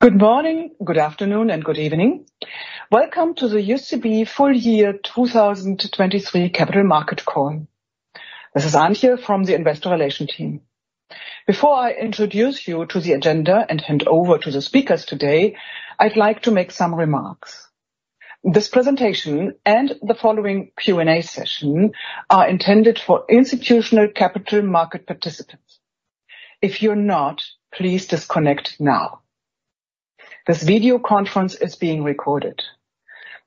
Good morning, good afternoon, and good evening. Welcome to the UCB full year 2023 capital market call. This is Antje from the Investor Relations team. Before I introduce you to the agenda and hand over to the speakers today, I'd like to make some remarks. This presentation and the following Q&A session are intended for institutional capital market participants. If you're not, please disconnect now. This video conference is being recorded.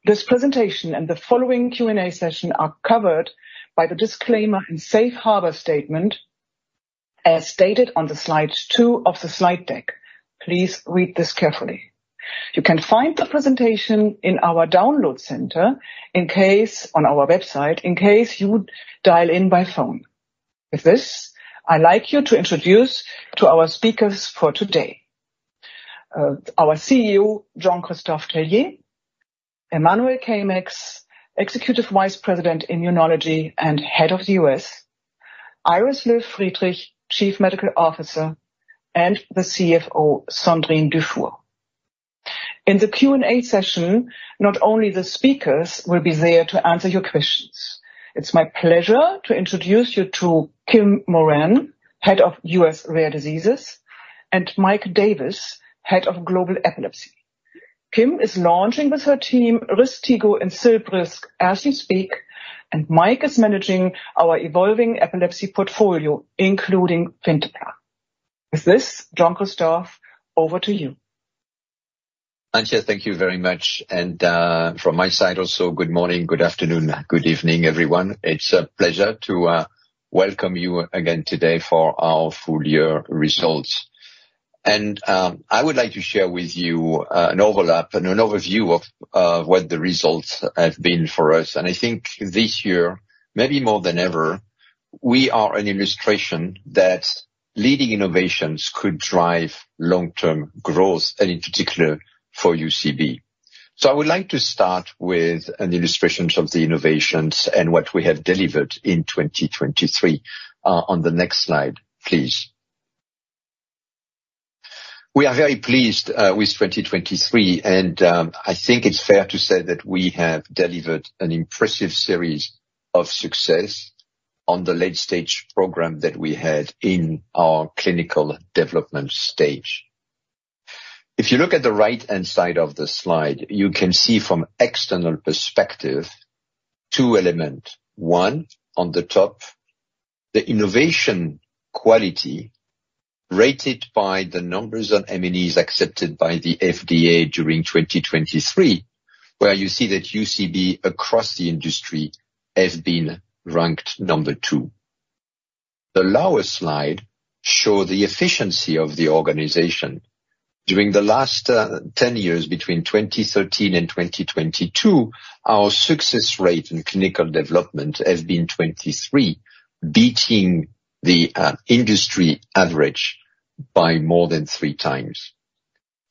This presentation and the following Q&A session are covered by the disclaimer and safe harbor statement as stated on slide 2 of the slide deck. Please read this carefully. You can find the presentation in our download center on our website in case you dial in by phone. With this, I'd like to introduce you to our speakers for today: our CEO, Jean-Christophe Tellier; Emmanuel Caeymaex, Executive Vice President in Immunology and Head of the U.S.; Iris Löw-Friedrich, Chief Medical Officer; and the CFO, Sandrine Dufour. In the Q&A session, not only the speakers will be there to answer your questions. It's my pleasure to introduce you to Kim Moran, Head of U.S. Rare Diseases, and Mike Davis, Head of Global Epilepsy. Kim is launching with her team RYSTIGGO and ZILBRYSQ as you speak, and Mike is managing our evolving epilepsy portfolio, including FINTEPLA. With this, Jean-Christophe, over to you. Antje, thank you very much. From my side also, good morning, good afternoon, good evening, everyone. It's a pleasure to welcome you again today for our full year results. I would like to share with you an overview of what the results have been for us. I think this year, maybe more than ever, we are an illustration that leading innovations could drive long-term growth, and in particular for UCB. I would like to start with an illustration of the innovations and what we have delivered in 2023. On the next slide, please. We are very pleased with 2023, and I think it's fair to say that we have delivered an impressive series of success on the late-stage program that we had in our clinical development stage. If you look at the right-hand side of the slide, you can see from an external perspective two elements. One, on the top, the innovation quality rated by the numbers on NMEs accepted by the FDA during 2023, where you see that UCB across the industry has been ranked number 2. The lower slide shows the efficiency of the organization. During the last 10 years, between 2013 and 2022, our success rate in clinical development has been 23, beating the industry average by more than 3 times.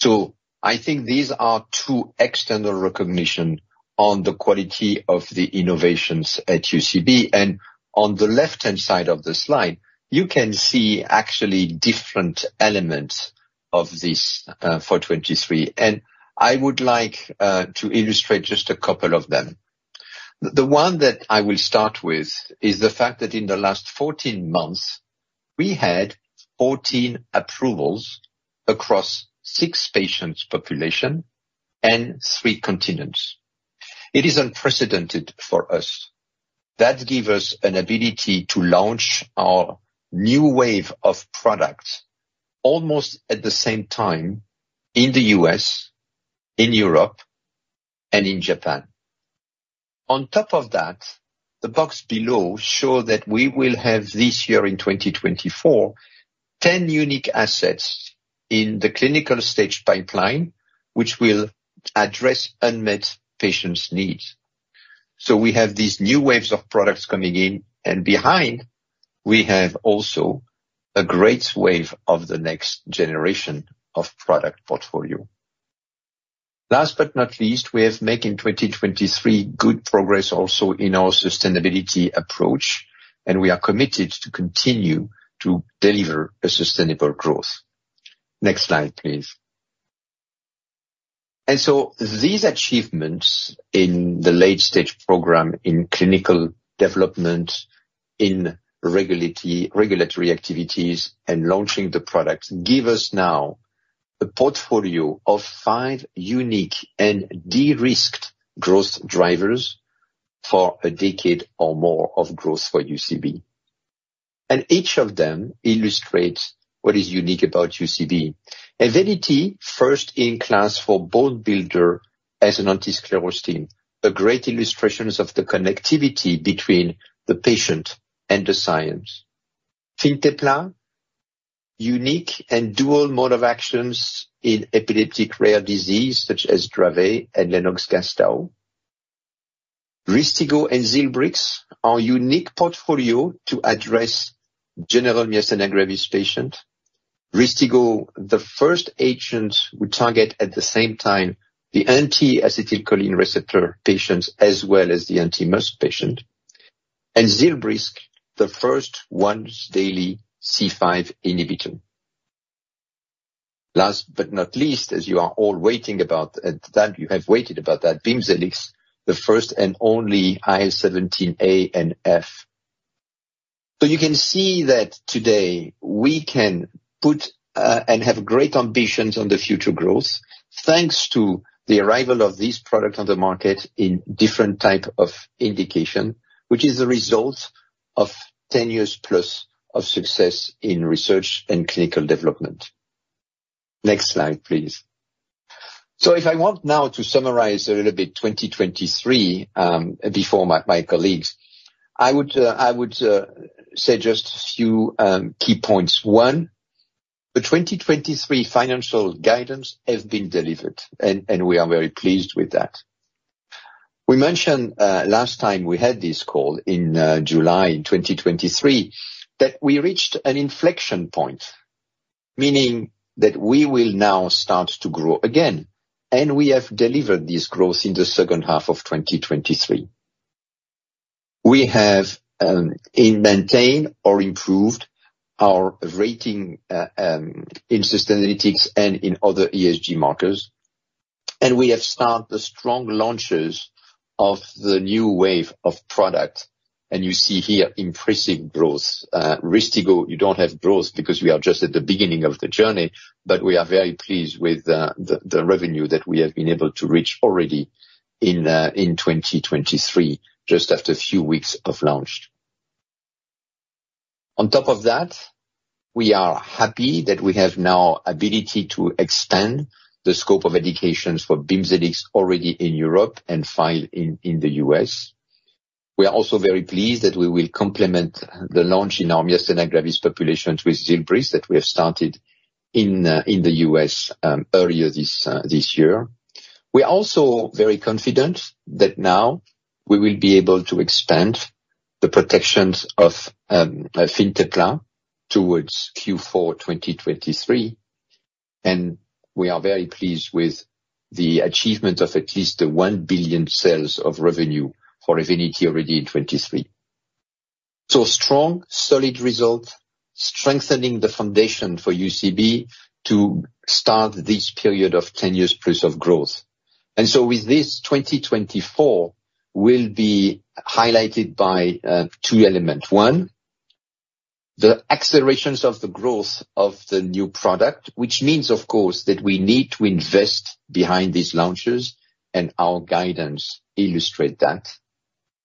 So I think these are two external recognitions on the quality of the innovations at UCB. On the left-hand side of the slide, you can see actually different elements of this for 2023, and I would like to illustrate just a couple of them. The one that I will start with is the fact that in the last 14 months, we had 14 approvals across 6 patients' populations and 3 continents. It is unprecedented for us. That gives us an ability to launch our new wave of products almost at the same time in the U.S., in Europe, and in Japan. On top of that, the box below shows that we will have this year, in 2024, 10 unique assets in the clinical stage pipeline, which will address unmet patients' needs. So we have these new waves of products coming in, and behind, we have also a great wave of the next generation of product portfolio. Last but not least, we have made good progress also in our sustainability approach, and we are committed to continue to deliver sustainable growth. Next slide, please. These achievements in the late-stage program in clinical development, in regulatory activities, and launching the products give us now a portfolio of five unique and de-risked growth drivers for a decade or more of growth for UCB. Each of them illustrates what is unique about UCB. EVENITY, first-in-class for bone builder as an anti-sclerostin, a great illustration of the connectivity between the patient and the science. FINTEPLA, unique and dual mode of actions in epileptic rare disease, such as Dravet and Lennox-Gastaut. RYSTIGGO and ZILBRYSQ are a unique portfolio to address generalized myasthenia gravis patients. RYSTIGGO, the first agent we target at the same time, the anti-acetylcholine receptor patients as well as the anti-MuSK patients. And ZILBRYSQ, the first once-daily C5 inhibitor. Last but not least, as you are all waiting for that, you have waited for that, BIMZELX, the first and only IL-17A and F. So you can see that today, we can put and have great ambitions on the future growth thanks to the arrival of these products on the market in different types of indication, which is the result of 10 years plus of success in research and clinical development. Next slide, please. So if I want now to summarize a little bit 2023 before my colleagues, I would say just a few key points. One, the 2023 financial guidance has been delivered, and we are very pleased with that. We mentioned last time we had this call in July 2023 that we reached an inflection point, meaning that we will now start to grow again, and we have delivered this growth in the second half of 2023. We have maintained or improved our rating in sustainability and in other ESG markers, and we have started the strong launches of the new wave of products. You see here impressive growth. RYSTIGGO, you don't have growth because we are just at the beginning of the journey, but we are very pleased with the revenue that we have been able to reach already in 2023, just after a few weeks of launch. On top of that, we are happy that we have now the ability to expand the scope of educations for BIMZELX already in Europe and 5 in the U.S. We are also very pleased that we will complement the launch in our myasthenia gravis populations with ZILBRYSQ that we have started in the U.S. earlier this year. We are also very confident that now we will be able to expand the prescriptions of FINTEPLA towards Q4 2023, and we are very pleased with the achievement of at least 1 billion in revenue for EVENITY already in 2023. So strong, solid results, strengthening the foundation for UCB to start this period of 10 years plus of growth. And so with this, 2024 will be highlighted by two elements. One, the accelerations of the growth of the new product, which means, of course, that we need to invest behind these launches, and our guidance illustrates that.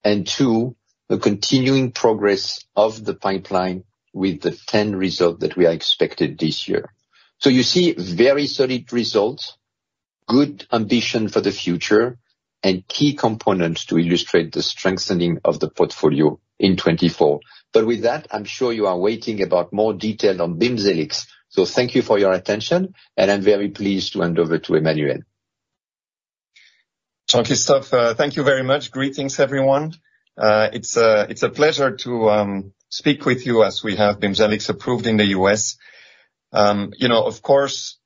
And two, the continuing progress of the pipeline with the 10 results that we are expecting this year. So you see very solid results, good ambition for the future, and key components to illustrate the strengthening of the portfolio in 2024. But with that, I'm sure you are waiting for more detail on BIMZELX. So thank you for your attention, and I'm very pleased to hand over to Emmanuel. Jean-Christophe, thank you very much. Greetings, everyone. It's a pleasure to speak with you as we have BIMZELX approved in the U.S. Of course,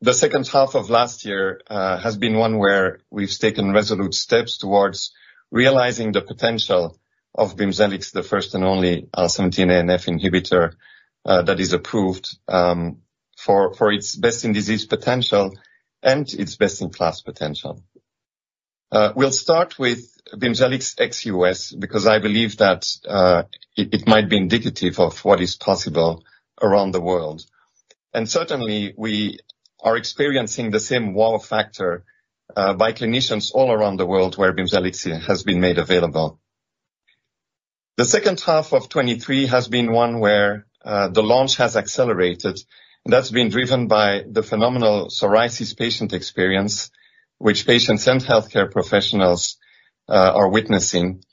the second half of last year has been one where we've taken resolute steps towards realizing the potential of BIMZELX, the first and only IL-17A and IL-17F inhibitor that is approved for its best-in-disease potential and its best-in-class potential. We'll start with BIMZELX ex-U.S. because I believe that it might be indicative of what is possible around the world. Certainly, we are experiencing the same wow factor by clinicians all around the world where BIMZELX has been made available. The second half of 2023 has been one where the launch has accelerated, and that's been driven by the phenomenal psoriasis patient experience, which patients and healthcare professionals are witnessing,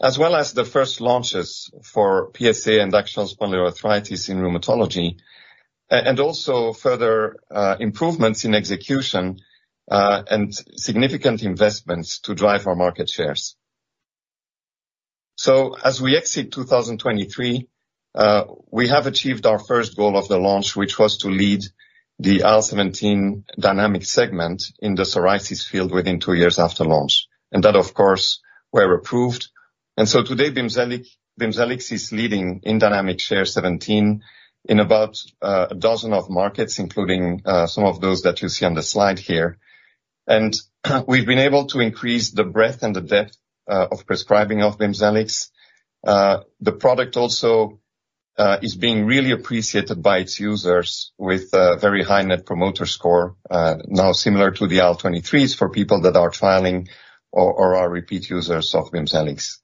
as well as the first launches for PsA and axial spondyloarthritis in rheumatology, and also further improvements in execution and significant investments to drive our market shares. So as we exit 2023, we have achieved our first goal of the launch, which was to lead the IL-17 dynamic segment in the psoriasis field within two years after launch, and that, of course, were approved. And so today, BIMZELX is leading in IL-17 in about a dozen of markets, including some of those that you see on the slide here. And we've been able to increase the breadth and the depth of prescribing of BIMZELX. The product also is being really appreciated by its users with a very high net promoter score, now similar to the IL-23s for people that are trialing or are repeat users of BIMZELX.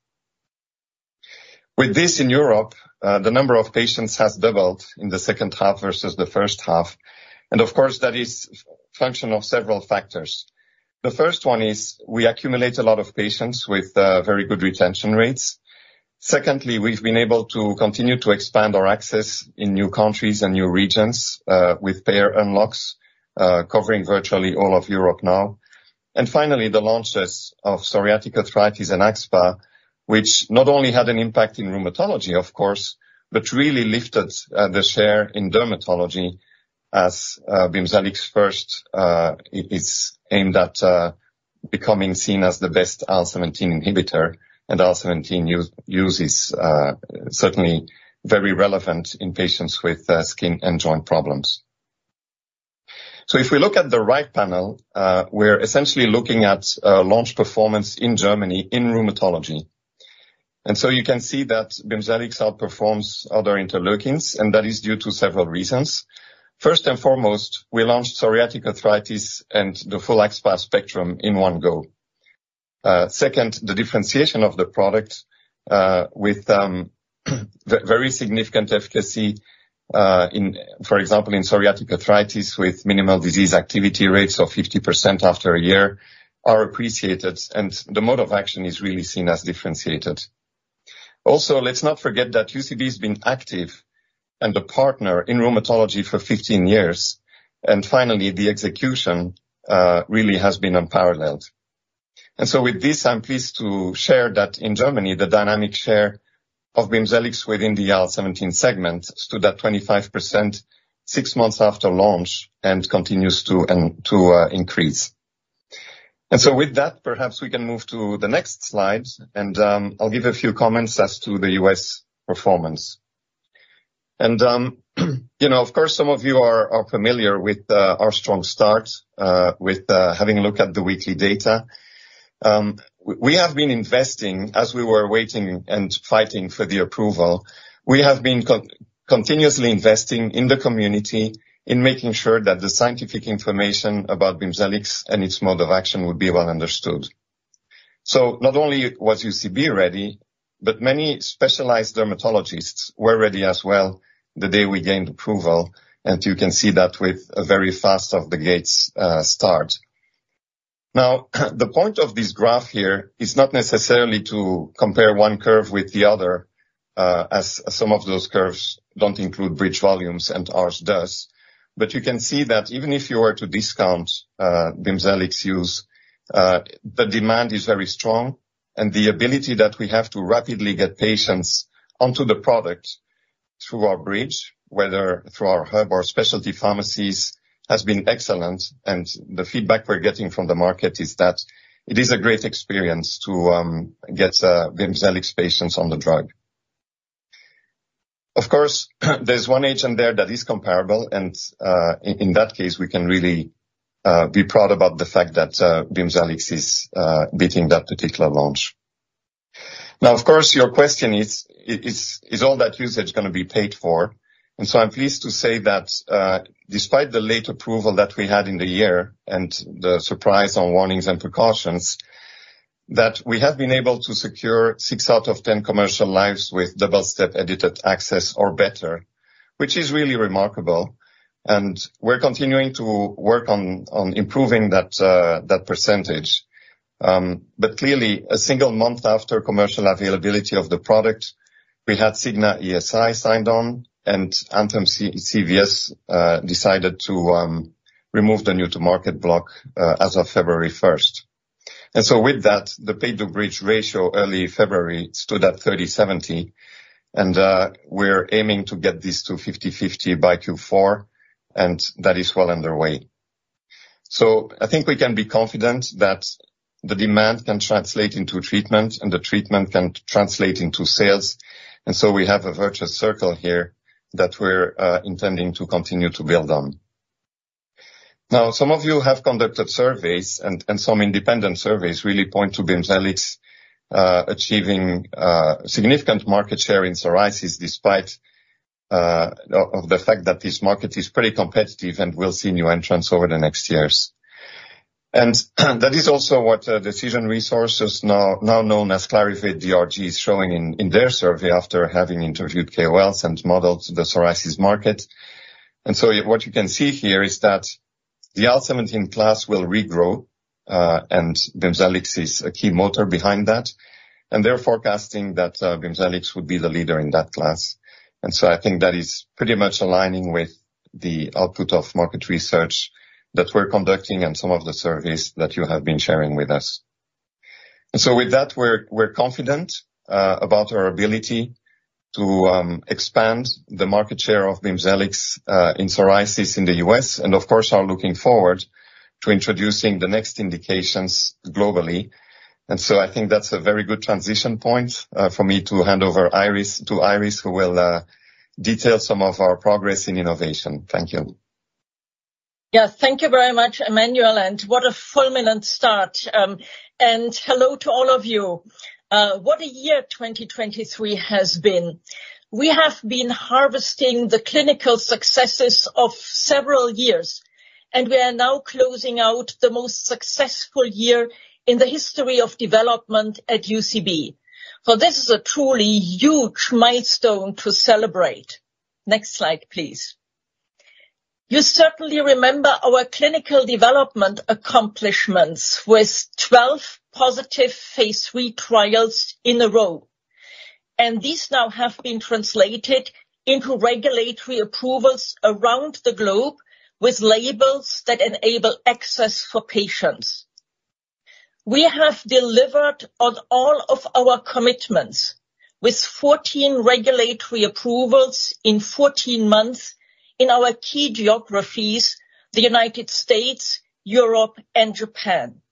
With this in Europe, the number of patients has doubled in the second half versus the first half. And of course, that is a function of several factors. The first one is we accumulate a lot of patients with very good retention rates. Secondly, we've been able to continue to expand our access in new countries and new regions with payer unlocks, covering virtually all of Europe now. And finally, the launches of psoriatic arthritis and axSpA, which not only had an impact in rheumatology, of course, but really lifted the share in dermatology as BIMZELX first is aimed at becoming seen as the best IL-17 inhibitor, and IL-17 use is certainly very relevant in patients with skin and joint problems. If we look at the right panel, we're essentially looking at launch performance in Germany in rheumatology. You can see that BIMZELX outperforms other interleukins, and that is due to several reasons. First and foremost, we launched psoriatic arthritis and the full axSpA spectrum in one go. Second, the differentiation of the product with very significant efficacy, for example, in psoriatic arthritis with minimal disease activity rates of 50% after a year, are appreciated, and the mode of action is really seen as differentiated. Also, let's not forget that UCB has been active and a partner in rheumatology for 15 years, and finally, the execution really has been unparalleled. So with this, I'm pleased to share that in Germany, the dynamic share of BIMZELX within the IL-17 segment stood at 25% six months after launch and continues to increase. So with that, perhaps we can move to the next slides, and I'll give a few comments as to the U.S. performance. Of course, some of you are familiar with our strong start with having a look at the weekly data. We have been investing as we were waiting and fighting for the approval. We have been continuously investing in the community in making sure that the scientific information about BIMZELX and its mode of action would be well understood. So not only was UCB ready, but many specialized dermatologists were ready as well the day we gained approval, and you can see that with a very fast off-the-gates start. Now, the point of this graph here is not necessarily to compare one curve with the other, as some of those curves don't include bridge volumes and ours does. But you can see that even if you were to discount BIMZELX use, the demand is very strong, and the ability that we have to rapidly get patients onto the product through our bridge, whether through our hub or specialty pharmacies, has been excellent, and the feedback we're getting from the market is that it is a great experience to get BIMZELX patients on the drug. Of course, there's one agent there that is comparable, and in that case, we can really be proud about the fact that BIMZELX is beating that particular launch. Now, of course, your question is, is all that usage going to be paid for? And so I'm pleased to say that despite the late approval that we had in the year and the surprise on warnings and precautions, that we have been able to secure 6 out of 10 commercial lives with double-step edited access or better, which is really remarkable, and we're continuing to work on improving that percentage. But clearly, a single month after commercial availability of the product, we had Cigna ESI signed on, and Anthem CVS decided to remove the new-to-market block as of February 1st. And so with that, the pay-to-bridge ratio early February stood at 30/70, and we're aiming to get this to 50/50 by Q4, and that is well underway. So I think we can be confident that the demand can translate into treatment, and the treatment can translate into sales. And so we have a virtuous circle here that we're intending to continue to build on. Now, some of you have conducted surveys, and some independent surveys really point to BIMZELX achieving significant market share in psoriasis despite the fact that this market is pretty competitive and will see new entrants over the next years. And that is also what Decision Resources, now known as Clarivate, is showing in their survey after having interviewed KOLs and modeled the psoriasis market. What you can see here is that the IL-17 class will regrow, and BIMZELX is a key motor behind that, and they're forecasting that BIMZELX would be the leader in that class. I think that is pretty much aligning with the output of market research that we're conducting and some of the surveys that you have been sharing with us. With that, we're confident about our ability to expand the market share of BIMZELX in psoriasis in the U.S. and, of course, are looking forward to introducing the next indications globally. I think that's a very good transition point for me to hand over to Iris, who will detail some of our progress in innovation. Thank you. Yes, thank you very much, Emmanuel, and what a fulminant start. Hello to all of you. What a year 2023 has been. We have been harvesting the clinical successes of several years, and we are now closing out the most successful year in the history of development at UCB. This is a truly huge milestone to celebrate. Next slide, please. You certainly remember our clinical development accomplishments with 12 positive phase III trials in a row. These now have been translated into regulatory approvals around the globe with labels that enable access for patients. We have delivered on all of our commitments with 14 regulatory approvals in 14 months in our key geographies, the United States, Europe, and Japan.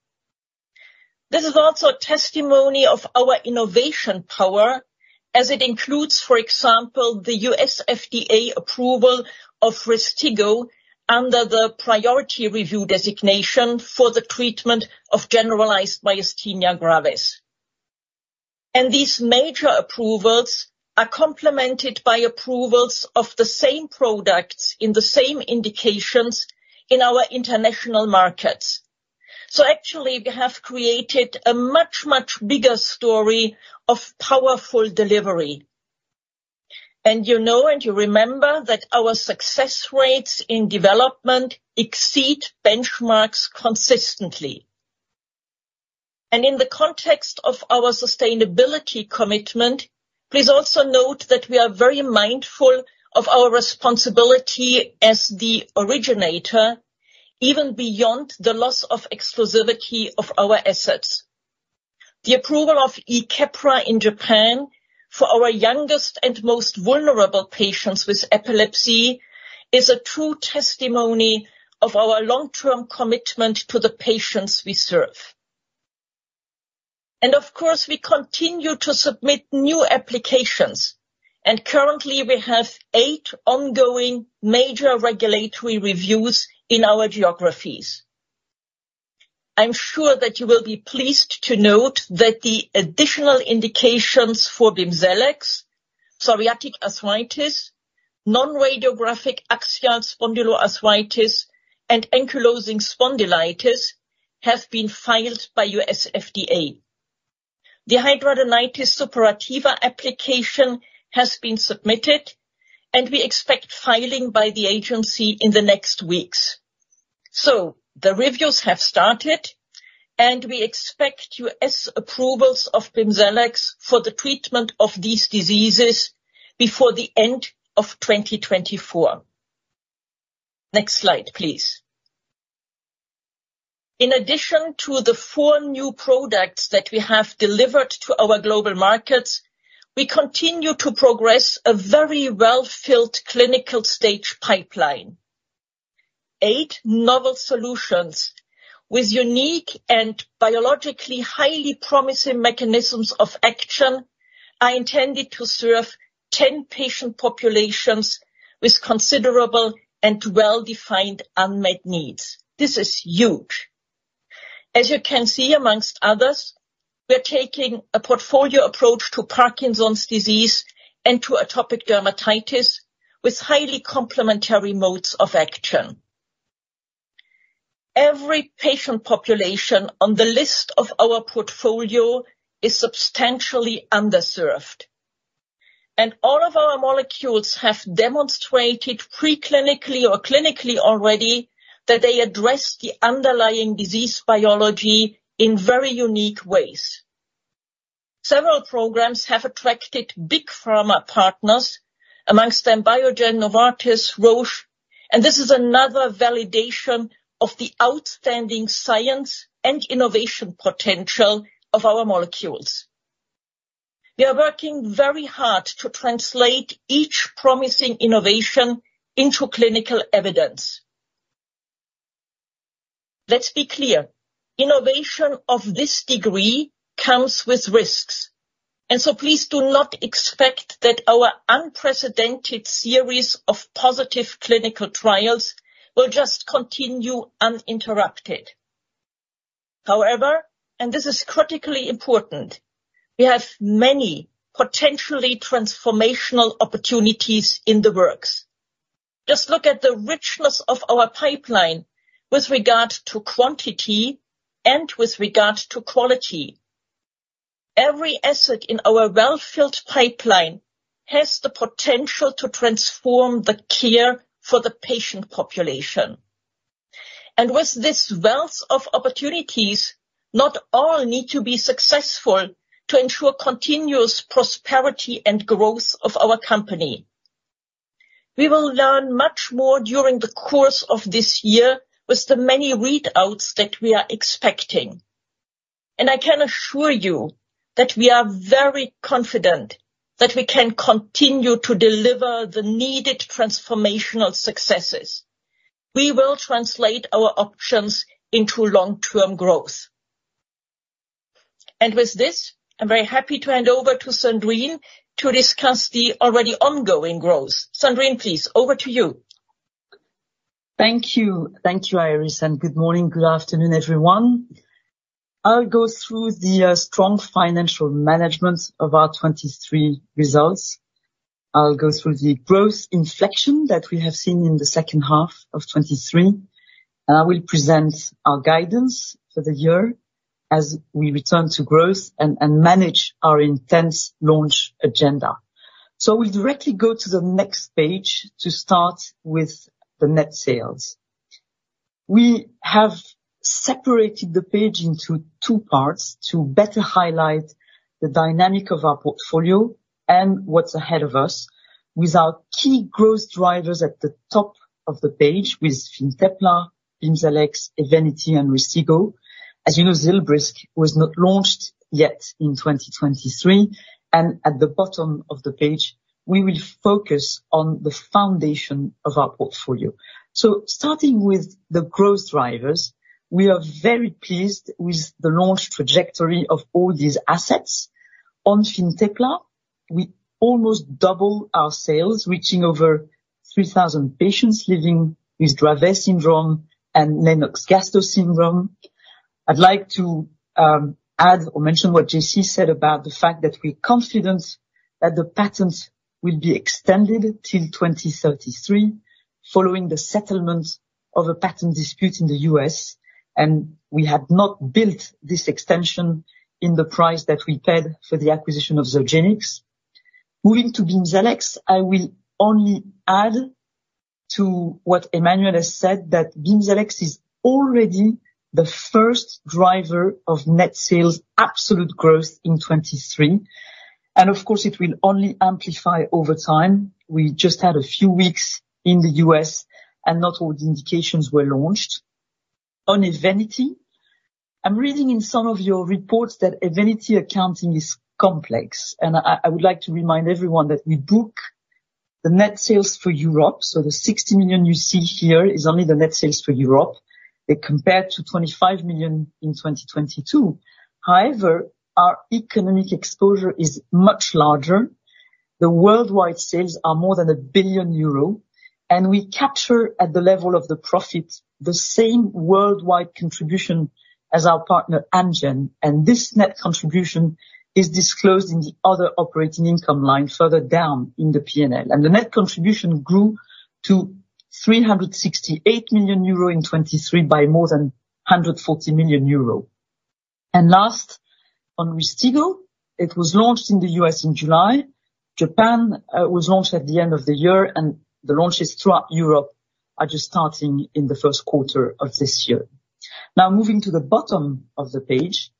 This is also a testimony of our innovation power as it includes, for example, the U.S. FDA approval of RYSTIGGO under the priority review designation for the treatment of generalized myasthenia gravis. These major approvals are complemented by approvals of the same products in the same indications in our international markets. So actually, we have created a much, much bigger story of powerful delivery. And you know and you remember that our success rates in development exceed benchmarks consistently. And in the context of our sustainability commitment, please also note that we are very mindful of our responsibility as the originator, even beyond the loss of exclusivity of our assets. The approval of Keppra in Japan for our youngest and most vulnerable patients with epilepsy is a true testimony of our long-term commitment to the patients we serve. Of course, we continue to submit new applications, and currently, we have eight ongoing major regulatory reviews in our geographies. I'm sure that you will be pleased to note that the additional indications for BIMZELX, psoriatic arthritis, non-radiographic axial spondyloarthritis, and ankylosing spondylitis have been filed by U.S. FDA. The Hidradenitis suppurativa application has been submitted, and we expect filing by the agency in the next weeks. So the reviews have started, and we expect U.S. approvals of BIMZELX for the treatment of these diseases before the end of 2024. Next slide, please. In addition to the four new products that we have delivered to our global markets, we continue to progress a very well-filled clinical stage pipeline. Eight novel solutions with unique and biologically highly promising mechanisms of action are intended to serve 10 patient populations with considerable and well-defined unmet needs. This is huge. As you can see, among others, we're taking a portfolio approach to Parkinson's disease and to atopic dermatitis with highly complementary modes of action. Every patient population on the list of our portfolio is substantially underserved. All of our molecules have demonstrated preclinically or clinically already that they address the underlying disease biology in very unique ways. Several programs have attracted big pharma partners, among them Biogen, Novartis, Roche, and this is another validation of the outstanding science and innovation potential of our molecules. We are working very hard to translate each promising innovation into clinical evidence. Let's be clear. Innovation of this degree comes with risks. So please do not expect that our unprecedented series of positive clinical trials will just continue uninterrupted. However, and this is critically important, we have many potentially transformational opportunities in the works. Just look at the richness of our pipeline with regard to quantity and with regard to quality. Every asset in our well-filled pipeline has the potential to transform the care for the patient population. With this wealth of opportunities, not all need to be successful to ensure continuous prosperity and growth of our company. We will learn much more during the course of this year with the many readouts that we are expecting. I can assure you that we are very confident that we can continue to deliver the needed transformational successes. We will translate our options into long-term growth. With this, I'm very happy to hand over to Sandrine to discuss the already ongoing growth. Sandrine, please, over to you. Thank you. Thank you, Iris, and good morning, good afternoon, everyone. I'll go through the strong financial management of our 2023 results. I'll go through the growth inflection that we have seen in the second half of 2023, and I will present our guidance for the year as we return to growth and manage our intense launch agenda. We'll directly go to the next page to start with the net sales. We have separated the page into two parts to better highlight the dynamic of our portfolio and what's ahead of us without key growth drivers at the top of the page with FINTEPLA, BIMZELX, EVENITY, and RYSTIGGO. As you know, ZILBRYSQ was not launched yet in 2023. And at the bottom of the page, we will focus on the foundation of our portfolio. So starting with the growth drivers, we are very pleased with the launch trajectory of all these assets. On FINTEPLA, we almost doubled our sales, reaching over 3,000 patients living with Dravet syndrome and Lennox-Gastaut syndrome. I'd like to add or mention what JC said about the fact that we're confident that the patents will be extended till 2033 following the settlement of a patent dispute in the U.S., and we had not built this extension in the price that we paid for the acquisition of Zogenix. Moving to BIMZELX, I will only add to what Emmanuel has said that BIMZELX is already the first driver of net sales absolute growth in 2023. And of course, it will only amplify over time. We just had a few weeks in the U.S., and not all the indications were launched. On EVENITY, I'm reading in some of your reports that EVENITY accounting is complex. I would like to remind everyone that we book the net sales for Europe. So the 60 million you see here is only the net sales for Europe. They compare to 25 million in 2022. However, our economic exposure is much larger. The worldwide sales are more than 1 billion euro, and we capture at the level of the profit the same worldwide contribution as our partner Amgen. This net contribution is disclosed in the other operating income line further down in the P&L. The net contribution grew to 368 million euro in 2023 by more than 140 million euro. Last, on RYSTIGGO, it was launched in the U.S. in July. Japan was launched at the end of the year, and the launches throughout Europe are just starting in the first quarter of this year. Now, moving to the bottom of the page,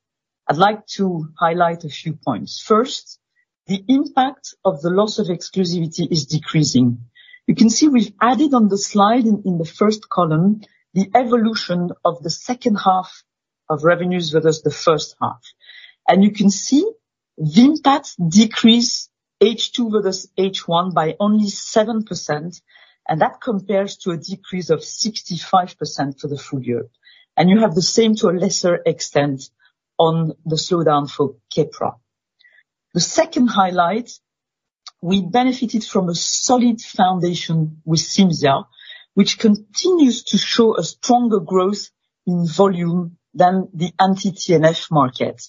I'd like to highlight a few points. First, the impact of the loss of exclusivity is decreasing. You can see we've added on the slide in the first column the evolution of the second half of revenues versus the first half. And you can see the impact decreased H2 versus H1 by only 7%, and that compares to a decrease of 65% for the full year. And you have the same to a lesser extent on the slowdown for Keppra. The second highlight, we benefited from a solid foundation with CIMZIA, which continues to show a stronger growth in volume than the anti-TNF market.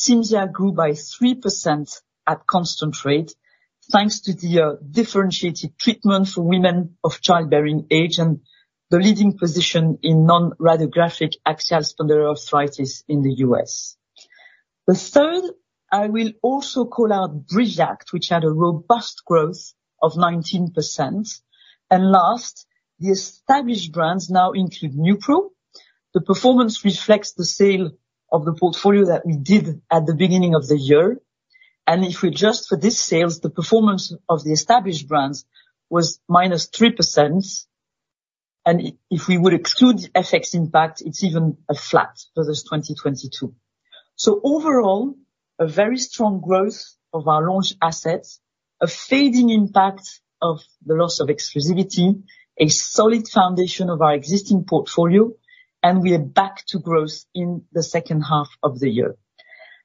CIMZIA grew by 3% at constant rate thanks to the differentiated treatment for women of childbearing age and the leading position in non-radiographic axial spondyloarthritis in the US. The third, I will also call out Briviact, which had a robust growth of 19%. And last, the established brands now include Neupro. The performance reflects the sale of the portfolio that we did at the beginning of the year. And if we adjust for these sales, the performance of the established brands was -3%. And if we would exclude the FX impact, it's even flat versus 2022. So overall, a very strong growth of our launch assets, a fading impact of the loss of exclusivity, a solid foundation of our existing portfolio, and we are back to growth in the second half of the year.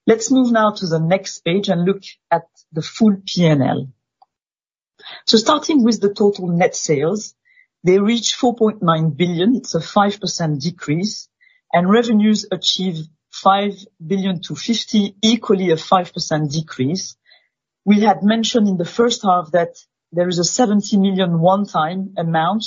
Let's move now to the next page and look at the full P&L. So starting with the total net sales, they reach 4.9 billion. It's a 5% decrease. Revenues achieve 5 billion, too, equally a 5% decrease. We had mentioned in the first half that there is a 70 million one-time amount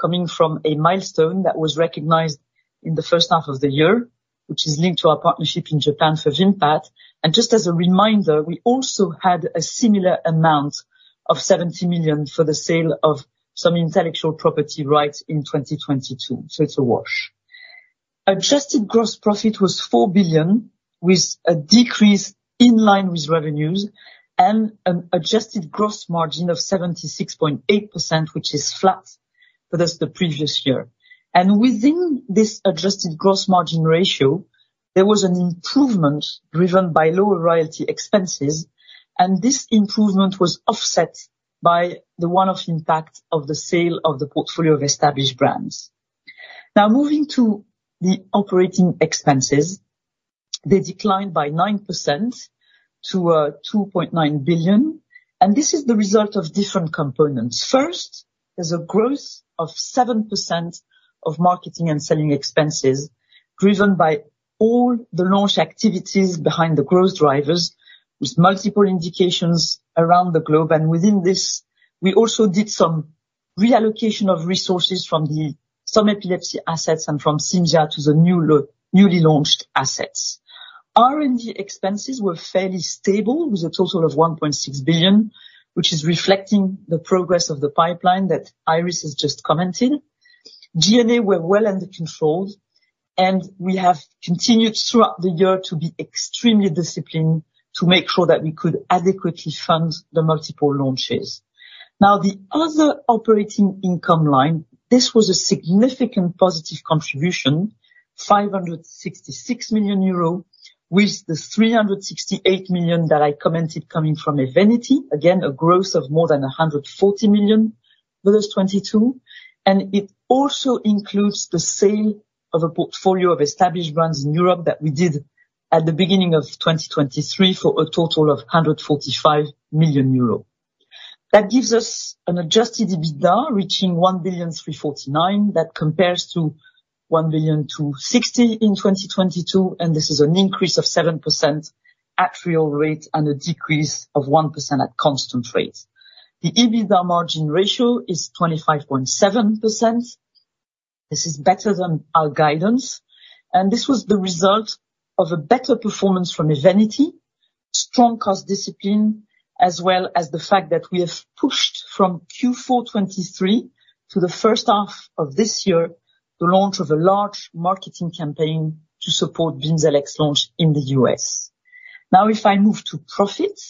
coming from a milestone that was recognized in the first half of the year, which is linked to our partnership in Japan for Vimpat. Just as a reminder, we also had a similar amount of 70 million for the sale of some intellectual property rights in 2022. So it's a wash. Adjusted gross profit was 4 billion with a decrease in line with revenues and an adjusted gross margin of 76.8%, which is flat versus the previous year. Within this adjusted gross margin ratio, there was an improvement driven by lower royalty expenses. This improvement was offset by the one-off impact of the sale of the portfolio of established brands. Now, moving to the operating expenses, they declined by 9% to 2.9 billion. This is the result of different components. First, there's a growth of 7% of marketing and selling expenses driven by all the launch activities behind the growth drivers with multiple indications around the globe. Within this, we also did some reallocation of resources from some epilepsy assets and from CIMZIA to the newly launched assets. R&D expenses were fairly stable with a total of 1.6 billion, which is reflecting the progress of the pipeline that Iris has just commented. G&A were well under control, and we have continued throughout the year to be extremely disciplined to make sure that we could adequately fund the multiple launches. Now, the other operating income line, this was a significant positive contribution, 566 million euro, with the 368 million that I commented coming from EVENITY, again, a growth of more than 140 million versus 2022. It also includes the sale of a portfolio of established brands in Europe that we did at the beginning of 2023 for a total of 145 million euro. That gives us an adjusted EBITDA reaching 1,349 million that compares to 1,260 million in 2022. This is an increase of 7% at real rate and a decrease of 1% at constant rate. The EBITDA margin ratio is 25.7%. This is better than our guidance. This was the result of a better performance from EVENITY, strong cost discipline, as well as the fact that we have pushed from Q4 2023 to the first half of this year the launch of a large marketing campaign to support BIMZELX launch in the U.S. Now, if I move to profit,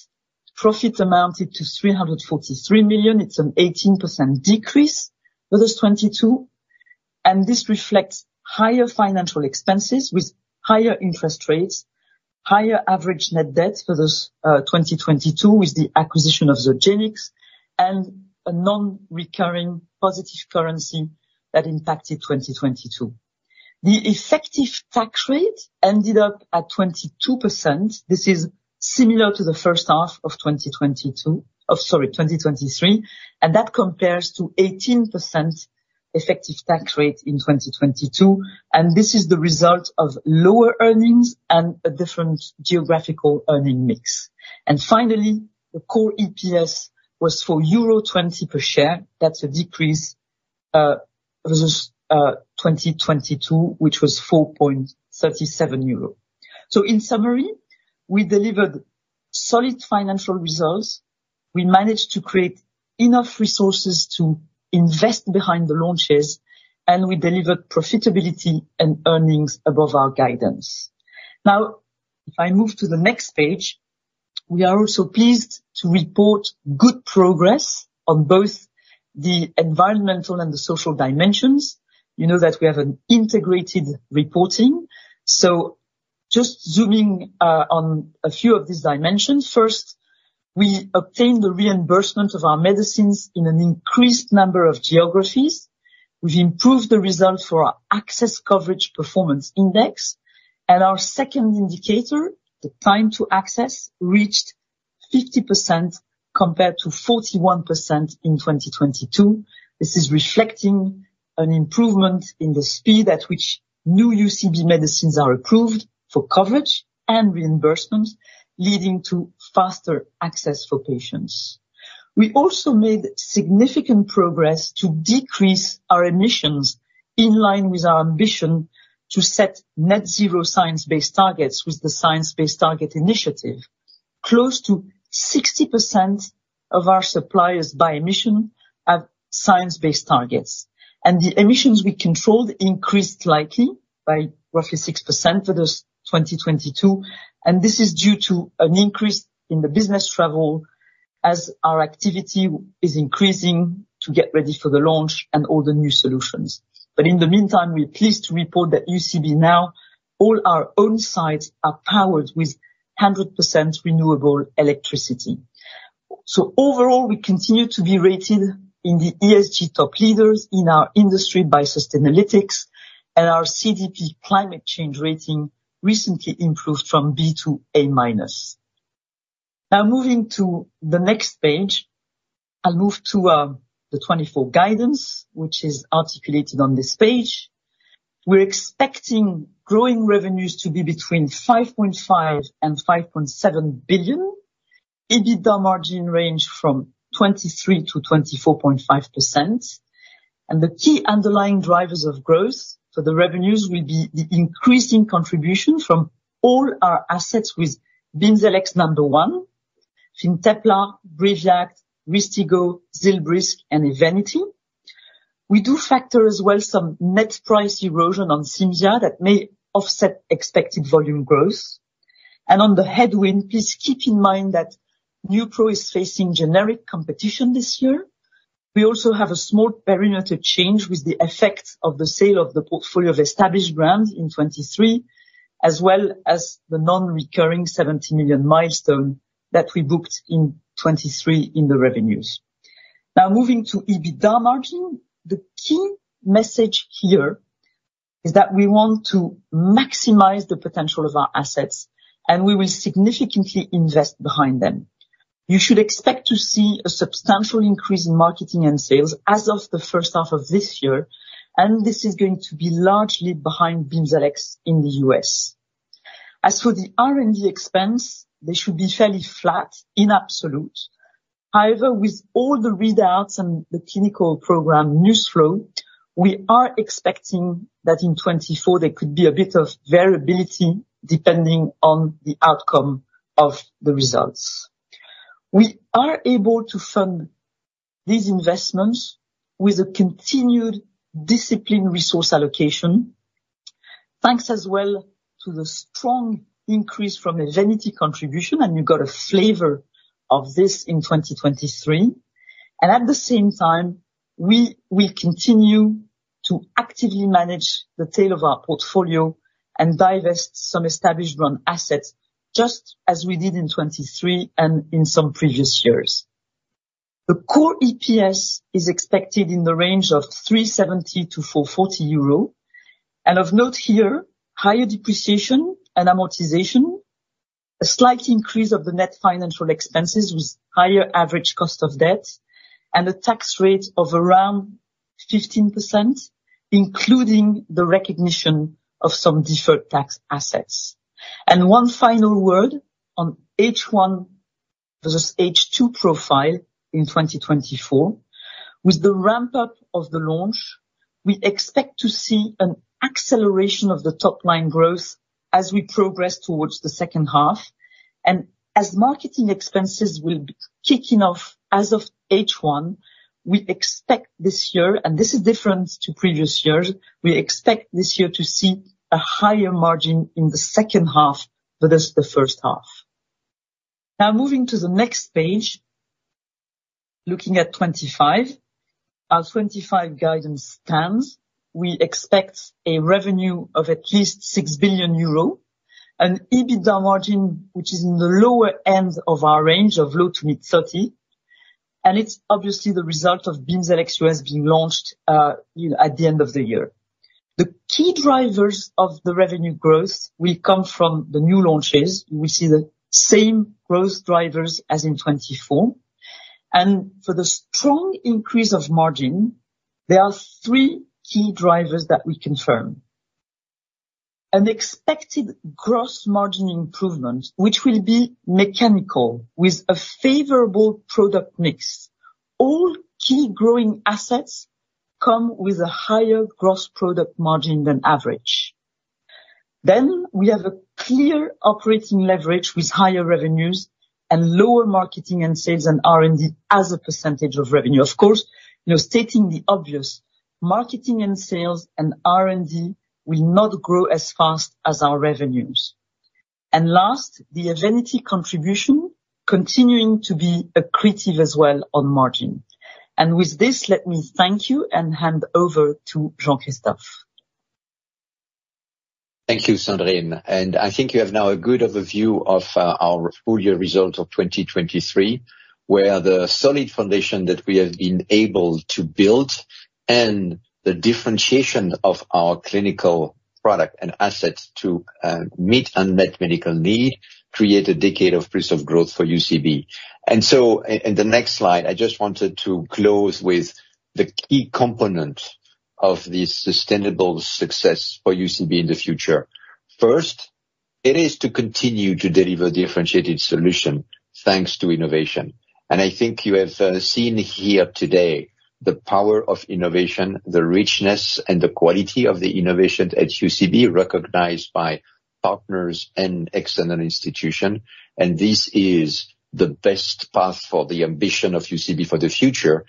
profit amounted to 343 million. It's an 18% decrease versus 2022. This reflects higher financial expenses with higher interest rates, higher average net debt versus 2022 with the acquisition of Zogenix, and a non-recurring positive currency that impacted 2022. The effective tax rate ended up at 22%. This is similar to the first half of 2023. That compares to 18% effective tax rate in 2022. This is the result of lower earnings and a different geographical earning mix. Finally, the core EPS was euro 2.0 per share. That's a decrease versus 2022, which was 4.37 euro. So in summary, we delivered solid financial results. We managed to create enough resources to invest behind the launches. We delivered profitability and earnings above our guidance. Now, if I move to the next page, we are also pleased to report good progress on both the environmental and the social dimensions. You know that we have an integrated reporting. So just zooming on a few of these dimensions, first, we obtained the reimbursement of our medicines in an increased number of geographies. We've improved the result for our access coverage performance index. Our second indicator, the time to access, reached 50% compared to 41% in 2022. This is reflecting an improvement in the speed at which new UCB medicines are approved for coverage and reimbursement, leading to faster access for patients. We also made significant progress to decrease our emissions in line with our ambition to set net-zero science-based targets with the Science Based Targets initiative. Close to 60% of our suppliers by emission have science-based targets. The emissions we controlled increased likely by roughly 6% versus 2022. This is due to an increase in the business travel as our activity is increasing to get ready for the launch and all the new solutions. In the meantime, we're pleased to report that UCB now, all our own sites are powered with 100% renewable electricity. Overall, we continue to be rated in the ESG top leaders in our industry by Sustainalytics. Our CDP climate change rating recently improved from B to A minus. Now, moving to the next page, I'll move to the 2024 guidance, which is articulated on this page. We're expecting growing revenues to be between 5.5 billion-5.7 billion. EBITDA margin range from 23%-24.5%. The key underlying drivers of growth for the revenues will be the increasing contribution from all our assets with BIMZELX number one, FINTEPLA, BRIVIACT. RYSTIGGO, ZILBRYSQ, and EVENITY. We do factor as well some net price erosion on CIMZIA that may offset expected volume growth. On the headwind, please keep in mind that Neupro is facing generic competition this year. We also have a small perimeter change with the effect of the sale of the portfolio of established brands in 2023, as well as the non-recurring 70 million milestone that we booked in 2023 in the revenues. Now, moving to EBITDA margin, the key message here is that we want to maximize the potential of our assets, and we will significantly invest behind them. You should expect to see a substantial increase in marketing and sales as of the first half of this year. This is going to be largely behind BIMZELX in the US. As for the R&D expense, they should be fairly flat in absolute. However, with all the readouts and the clinical program news flow, we are expecting that in 2024, there could be a bit of variability depending on the outcome of the results. We are able to fund these investments with a continued disciplined resource allocation, thanks as well to the strong increase from EVENITY contribution. You got a flavor of this in 2023. At the same time, we will continue to actively manage the tail of our portfolio and divest some established brand assets just as we did in 2023 and in some previous years. The core EPS is expected in the range of 370-440 euro. Of note here, higher depreciation and amortization, a slight increase of the net financial expenses with higher average cost of debt, and a tax rate of around 15%, including the recognition of some deferred tax assets. One final word on H1 versus H2 profile in 2024, with the ramp-up of the launch, we expect to see an acceleration of the top-line growth as we progress towards the second half. As marketing expenses will be kicking off as of H1, we expect this year and this is different to previous years. We expect this year to see a higher margin in the second half versus the first half. Now, moving to the next page, looking at 2025, our 2025 guidance stands. We expect a revenue of at least 6 billion euro, an EBITDA margin which is in the lower end of our range of low- to mid-30%. It's obviously the result of BIMZELX US being launched at the end of the year. The key drivers of the revenue growth will come from the new launches. You will see the same growth drivers as in 2024. For the strong increase of margin, there are three key drivers that we confirm. An expected gross margin improvement, which will be mechanical with a favorable product mix. All key growing assets come with a higher gross product margin than average. Then we have a clear operating leverage with higher revenues and lower marketing and sales and R&D as a percentage of revenue. Of course, stating the obvious, marketing and sales and R&D will not grow as fast as our revenues. And last, the EVENITY contribution continuing to be accretive as well on margin. With this, let me thank you and hand over to Jean-Christophe. Thank you, Sandrine. I think you have now a good overview of our full-year result of 2023, where the solid foundation that we have been able to build and the differentiation of our clinical product and assets to meet unmet medical need create a decade of proof of growth for UCB. In the next slide, I just wanted to close with the key component of this sustainable success for UCB in the future. First, it is to continue to deliver differentiated solution thanks to innovation. I think you have seen here today the power of innovation, the richness, and the quality of the innovations at UCB recognized by partners and external institutions. This is the best path for the ambition of UCB for the future.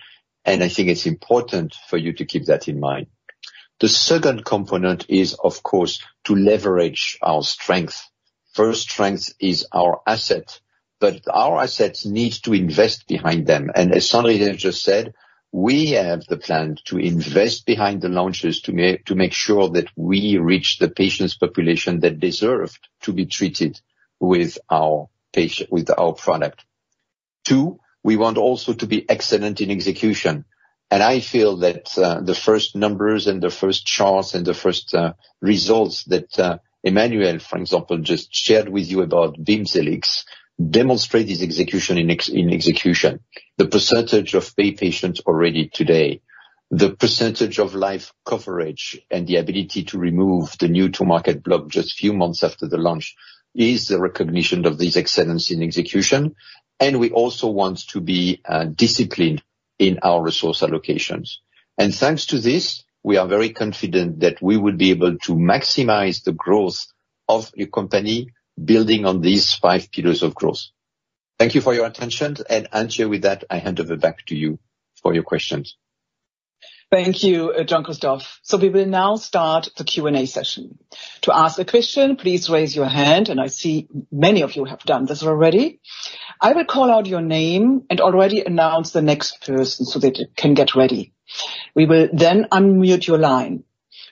I think it's important for you to keep that in mind. The second component is, of course, to leverage our strength. First strength is our assets. Our assets need to invest behind them. As Sandrine has just said, we have the plan to invest behind the launches to make sure that we reach the patients' population that deserved to be treated with our product. Two, we want also to be excellent in execution. I feel that the first numbers and the first charts and the first results that Emmanuel, for example, just shared with you about BIMZELX demonstrate this excellence in execution. The percentage of BIMZELX patients already today, the percentage of payer coverage, and the ability to remove the new-to-market block just a few months after the launch is the recognition of this excellence in execution. We also want to be disciplined in our resource allocations. Thanks to this, we are very confident that we would be able to maximize the growth of your company building on these five pillars of growth. Thank you for your attention. Antje, with that, I hand over back to you for your questions. Thank you, Jean-Christophe. So we will now start the Q&A session. To ask a question, please raise your hand. And I see many of you have done this already. I will call out your name and already announce the next person so that it can get ready. We will then unmute your line.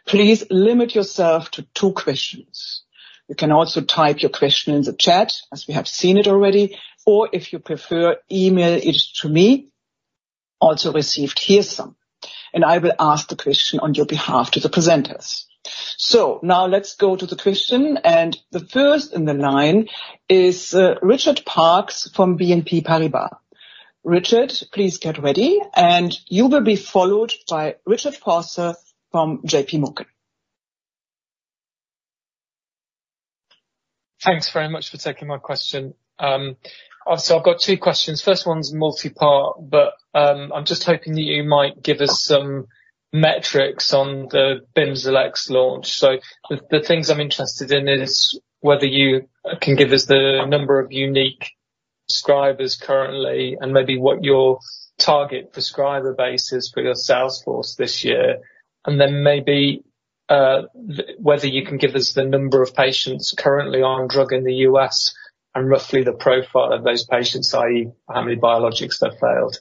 Please limit yourself to two questions. You can also type your question in the chat, as we have seen it already. Or if you prefer, email it to me. Also received here some. And I will ask the question on your behalf to the presenters. So now let's go to the question. And the first in the line is Richard Parkes from BNP Paribas. Richard, please get ready. And you will be followed by Richard Vosser from JPMorgan. Thanks very much for taking my question. So I've got two questions. First one's multi-part, but I'm just hoping that you might give us some metrics on the BIMZELX launch. So the things I'm interested in is whether you can give us the number of unique prescribers currently and maybe what your target prescriber base is for your sales force this year. And then maybe whether you can give us the number of patients currently on drug in the US and roughly the profile of those patients, i.e., how many biologics that failed.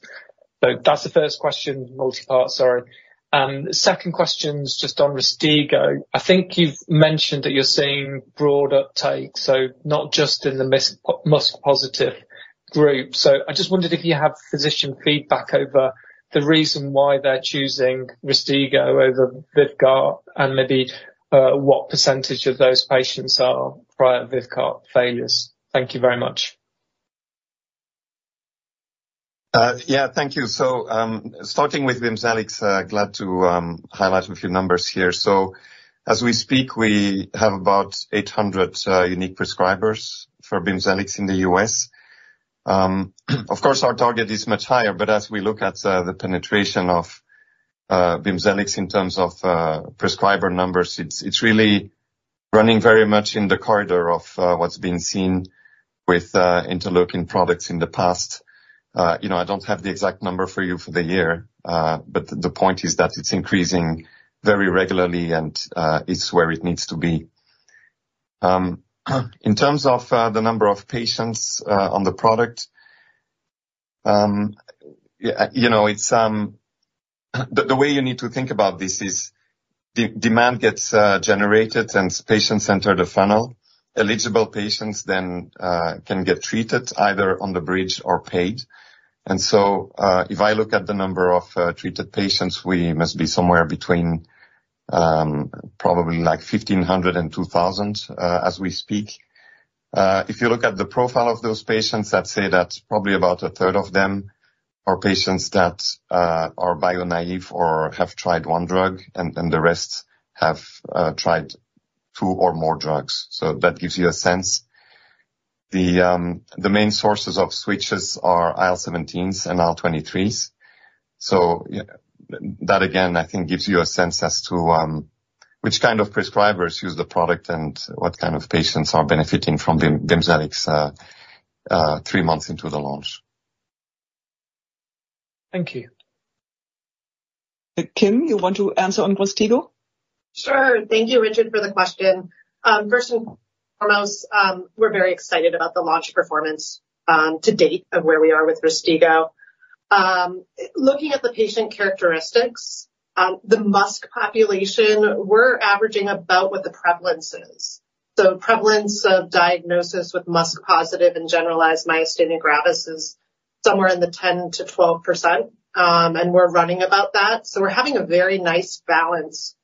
So that's the first question, multi-part, sorry. Second question's just on RYSTIGGO. I think you've mentioned that you're seeing broad uptake, so not just in the MuSK positive group. So I just wondered if you have physician feedback over the reason why they're choosing RYSTIGGO over Vyvgart and maybe what percentage of those patients are prior Vyvgart failures. Thank you very much. Yeah, thank you. So starting with BIMZELX, glad to highlight a few numbers here. So as we speak, we have about 800 unique prescribers for BIMZELX in the U.S. Of course, our target is much higher. But as we look at the penetration of BIMZELX in terms of prescriber numbers, it's really running very much in the corridor of what's been seen with IL-17 blocking products in the past. I don't have the exact number for you for the year. But the point is that it's increasing very regularly, and it's where it needs to be. In terms of the number of patients on the product, the way you need to think about this is demand gets generated, and patients enter the funnel. Eligible patients then can get treated either on the bridge or paid. And so if I look at the number of treated patients, we must be somewhere between probably like 1,500 and 2,000 as we speak. If you look at the profile of those patients, let's say that probably about a third of them are patients that are Bio-naïve or have tried one drug, and the rest have tried two or more drugs. So that gives you a sense. The main sources of switches are IL-17s and IL-23s. So that, again, I think gives you a sense as to which kind of prescribers use the product and what kind of patients are benefiting from BIMZELX three months into the launch. Thank you. Kim, you want to answer on RYSTIGGO? Sure. Thank you, Richard, for the question. First and foremost, we're very excited about the launch performance to date of where we are with RYSTIGGO. Looking at the patient characteristics, the MuSK population, we're averaging about what the prevalence is. So prevalence of diagnosis with MuSK positive and generalized myasthenia gravis is somewhere in the 10%-12%. And we're running about that. So we're having a very nice balance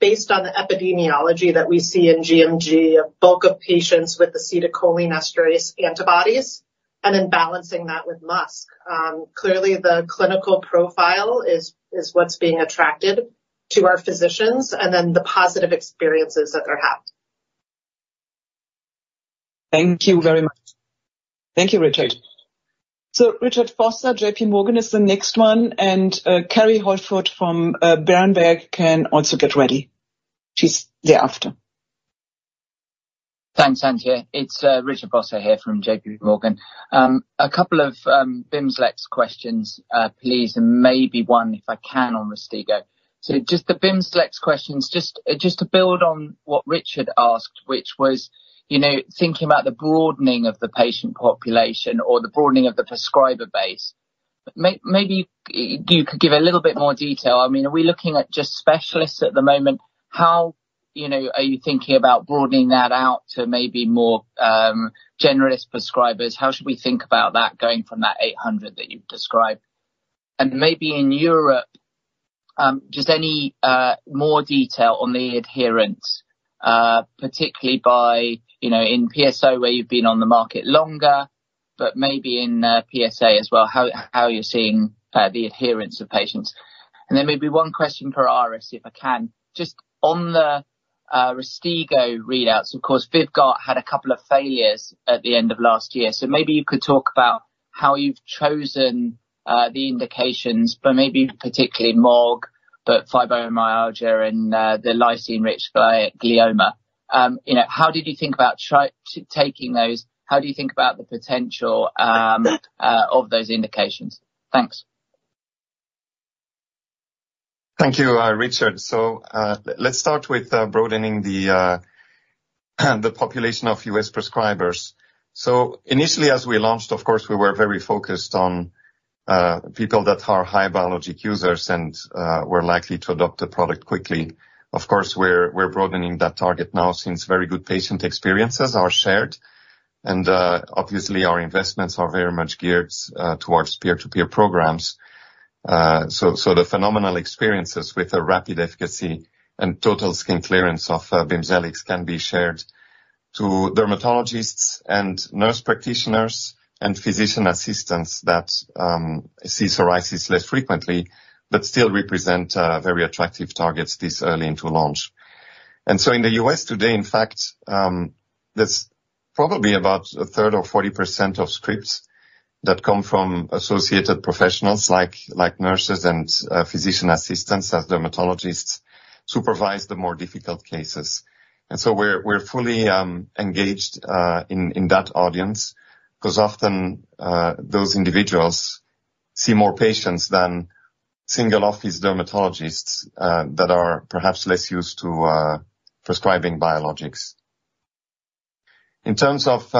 based on the epidemiology that we see in gMG of bulk of patients with acetylcholine receptor antibodies and then balancing that with MuSK. Clearly, the clinical profile is what's being attracted to our physicians and then the positive experiences that they're having. Thank you very much. Thank you, Richard. So Richard Vosser, JPMorgan is the next one. And Kerry Holford from Berenberg can also get ready. She's thereafter. Thanks, Antje. It's Richard Vosser here from JPMorgan. A couple of BIMZELX questions, please, and maybe one, if I can, on RYSTIGGO. So just the BIMZELX questions, just to build on what Richard asked, which was thinking about the broadening of the patient population or the broadening of the prescriber base. Maybe you could give a little bit more detail. I mean, are we looking at just specialists at the moment? How are you thinking about broadening that out to maybe more generalist prescribers? How should we think about that going from that 800 that you've described? And maybe in Europe, just any more detail on the adherence, particularly in PSO where you've been on the market longer, but maybe in PsA as well, how you're seeing the adherence of patients. And then maybe one question for Iris, if I can. Just on the RYSTIGGO readouts, of course, Vyvgart had a couple of failures at the end of last year. So maybe you could talk about how you've chosen the indications, but maybe particularly MOG, but fibromyalgia, and the LGI1. How did you think about taking those? How do you think about the potential of those indications? Thanks. Thank you, Richard. So let's start with broadening the population of U.S. prescribers. So initially, as we launched, of course, we were very focused on people that are high biologic users and were likely to adopt the product quickly. Of course, we're broadening that target now since very good patient experiences are shared. And obviously, our investments are very much geared towards peer-to-peer programs. So the phenomenal experiences with a rapid efficacy and total skin clearance of BIMZELX can be shared to dermatologists and nurse practitioners and physician assistants that see psoriasis less frequently but still represent very attractive targets this early into launch. And so in the U.S. today, in fact, there's probably about a third or 40% of scripts that come from associated professionals like nurses and physician assistants as dermatologists supervise the more difficult cases. So we're fully engaged in that audience because often those individuals see more patients than single-office dermatologists that are perhaps less used to prescribing biologics. In terms of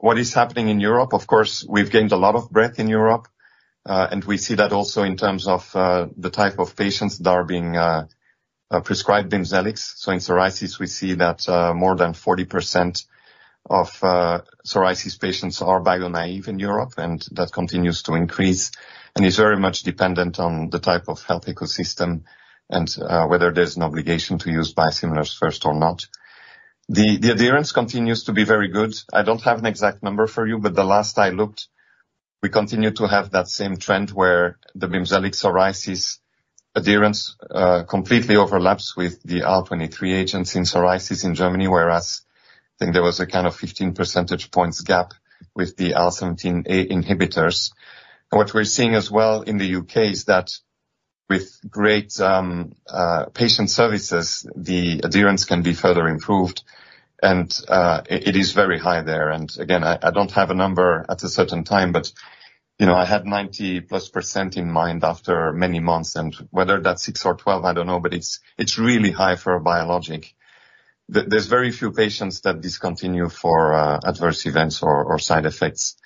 what is happening in Europe, of course, we've gained a lot of breadth in Europe. We see that also in terms of the type of patients that are being prescribed BIMZELX. In psoriasis, we see that more than 40% of psoriasis patients are bio-naïve in Europe. That continues to increase and is very much dependent on the type of health ecosystem and whether there's an obligation to use biosimilars first or not. The adherence continues to be very good. I don't have an exact number for you, but the last I looked, we continue to have that same trend where the BIMZELX psoriasis adherence completely overlaps with the IL-23 agents in psoriasis in Germany, whereas I think there was a kind of 15 percentage points gap with the IL-17A inhibitors. What we're seeing as well in the UK is that with great patient services, the adherence can be further improved. And it is very high there. And again, I don't have a number at a certain time, but I had 90%+ in mind after many months. And whether that's 6 or 12, I don't know. But it's really high for a biologic. There's very few patients that discontinue for adverse events or side effects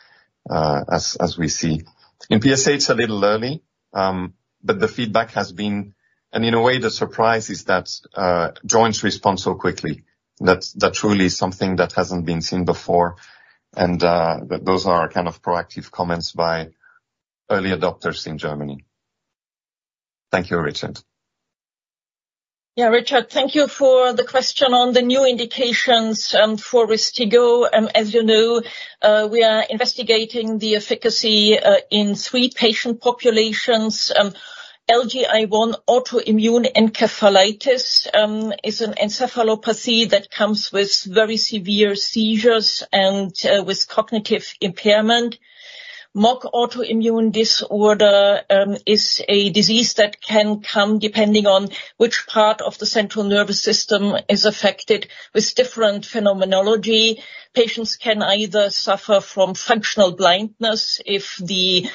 as we see. In PsA, it's a little early. But the feedback has been, and in a way, the surprise is that joints respond so quickly. That's truly something that hasn't been seen before. Those are kind of proactive comments by early adopters in Germany. Thank you, Richard. Yeah, Richard, thank you for the question on the new indications for RYSTIGGO. As you know, we are investigating the efficacy in three patient populations. LGI1 autoimmune encephalitis is an encephalopathy that comes with very severe seizures and with cognitive impairment. MOG autoimmune disorder is a disease that can come depending on which part of the central nervous system is affected with different phenomenology. Patients can either suffer from functional blindness if the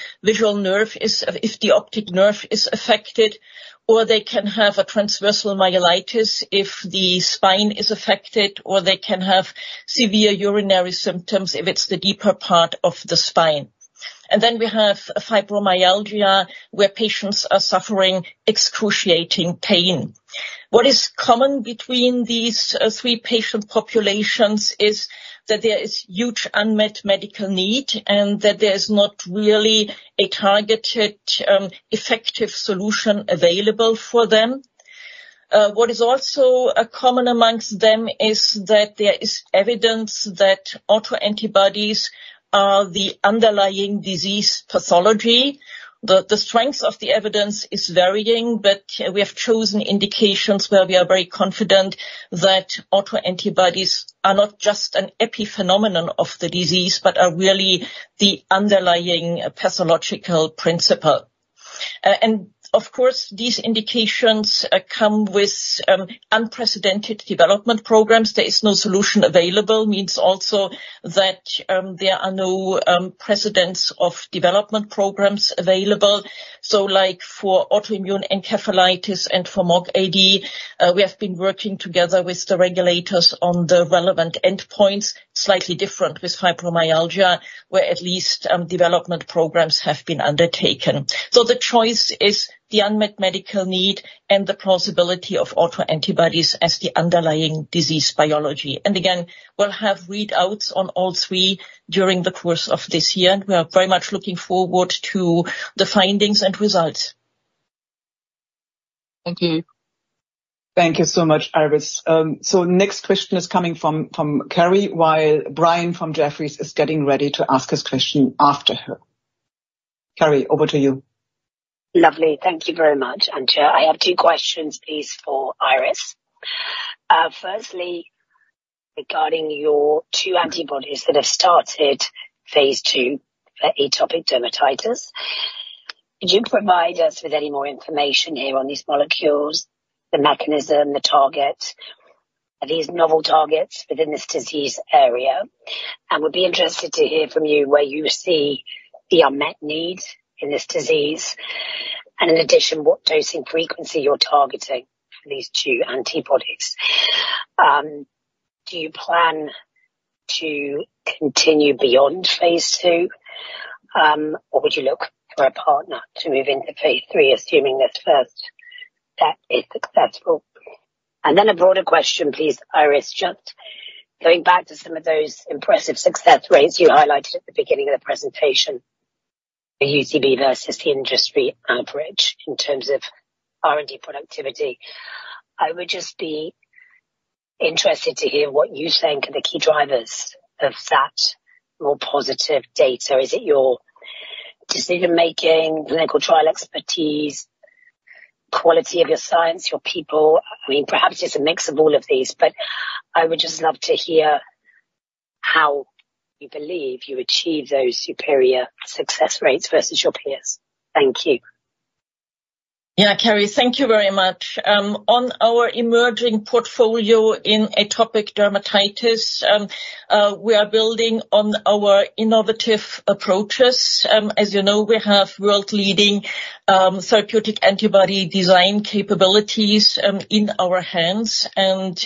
optic nerve is affected, or they can have a transverse myelitis if the spine is affected, or they can have severe urinary symptoms if it's the deeper part of the spine. And then we have fibromyalgia where patients are suffering excruciating pain. What is common between these three patient populations is that there is huge unmet medical need and that there is not really a targeted, effective solution available for them. What is also common amongst them is that there is evidence that autoantibodies are the underlying disease pathology. The strength of the evidence is varying, but we have chosen indications where we are very confident that autoantibodies are not just an epiphenomenon of the disease but are really the underlying pathological principle. And of course, these indications come with unprecedented development programs. There is no solution available means also that there are no precedents of development programs available. So for autoimmune encephalitis and for MOGAD, we have been working together with the regulators on the relevant endpoints, slightly different with fibromyalgia where at least development programs have been undertaken. So the choice is the unmet medical need and the plausibility of autoantibodies as the underlying disease biology. And again, we'll have readouts on all three during the course of this year. We are very much looking forward to the findings and results. Thank you. Thank you so much, Iris. So next question is coming from Kerry while Brian from Jefferies is getting ready to ask his question after her. Kerry, over to you. Lovely. Thank you very much, Antje. I have two questions, please, for Iris. Firstly, regarding your two antibodies that have started phase 2 for atopic dermatitis, could you provide us with any more information here on these molecules, the mechanism, the target, these novel targets within this disease area? And we'd be interested to hear from you where you see the unmet needs in this disease. And in addition, what dosing frequency you're targeting for these two antibodies. Do you plan to continue beyond phase 2, or would you look for a partner to move into phase 3, assuming this first step is successful? And then a broader question, please, Iris. Just going back to some of those impressive success rates you highlighted at the beginning of the presentation, the UCB versus the industry average in terms of R&D productivity, I would just be interested to hear what you think are the key drivers of that more positive data. Is it your decision-making, clinical trial expertise, quality of your science, your people? I mean, perhaps it's a mix of all of these. But I would just love to hear how you believe you achieve those superior success rates versus your peers. Thank you. Yeah, Kerry, thank you very much. On our emerging portfolio in atopic dermatitis, we are building on our innovative approaches. As you know, we have world-leading therapeutic antibody design capabilities in our hands. And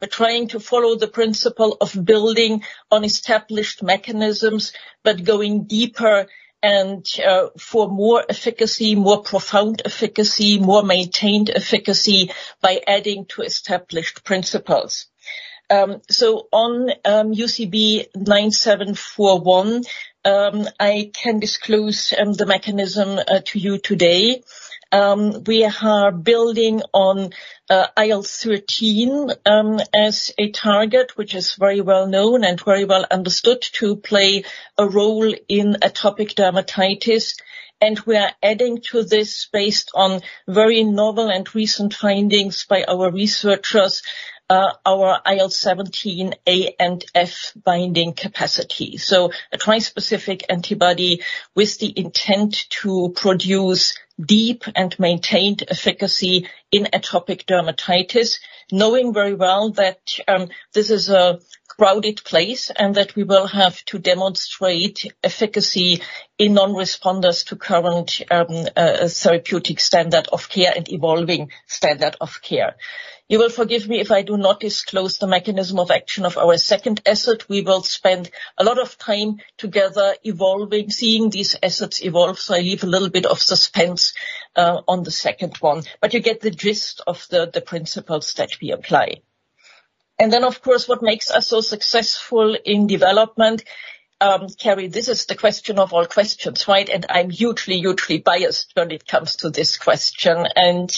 we're trying to follow the principle of building on established mechanisms but going deeper for more efficacy, more profound efficacy, more maintained efficacy by adding to established principles. So on UCB 9741, I can disclose the mechanism to you today. We are building on IL-13 as a target, which is very well known and very well understood to play a role in atopic dermatitis. And we are adding to this based on very novel and recent findings by our researchers, our IL-17A and F binding capacity. So a trispecific antibody with the intent to produce deep and maintained efficacy in atopic dermatitis, knowing very well that this is a crowded place and that we will have to demonstrate efficacy in non-responders to current therapeutic standard of care and evolving standard of care. You will forgive me if I do not disclose the mechanism of action of our second asset. We will spend a lot of time together evolving, seeing these assets evolve. So I leave a little bit of suspense on the second one. But you get the gist of the principles that we apply. And then, of course, what makes us so successful in development? Kerry, this is the question of all questions, right? And I'm hugely, hugely biased when it comes to this question. And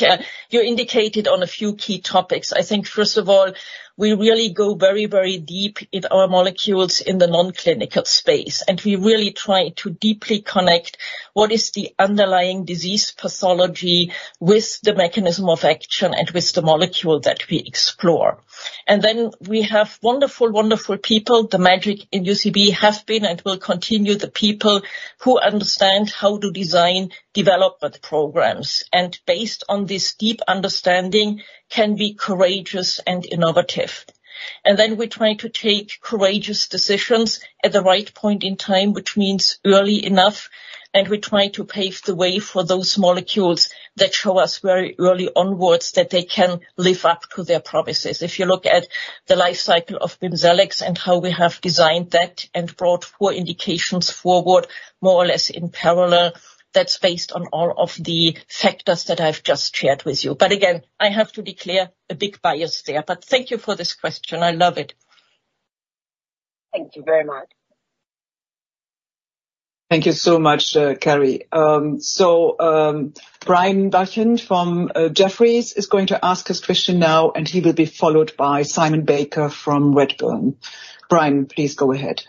you indicated on a few key topics. I think, first of all, we really go very, very deep in our molecules in the non-clinical space. We really try to deeply connect what is the underlying disease pathology with the mechanism of action and with the molecule that we explore. Then we have wonderful, wonderful people. The magic in UCB has been and will continue the people who understand how to design development programs. Based on this deep understanding, can be courageous and innovative. Then we try to take courageous decisions at the right point in time, which means early enough. We try to pave the way for those molecules that show us very early onwards that they can live up to their promises. If you look at the life cycle of BIMZELX and how we have designed that and brought four indications forward more or less in parallel, that's based on all of the factors that I've just shared with you. But again, I have to declare a big bias there. But thank you for this question. I love it. Thank you very much. Thank you so much, Kerry. So Brian Balchin from Jefferies is going to ask his question now. And he will be followed by Simon Baker from Redburn. Brian, please go ahead.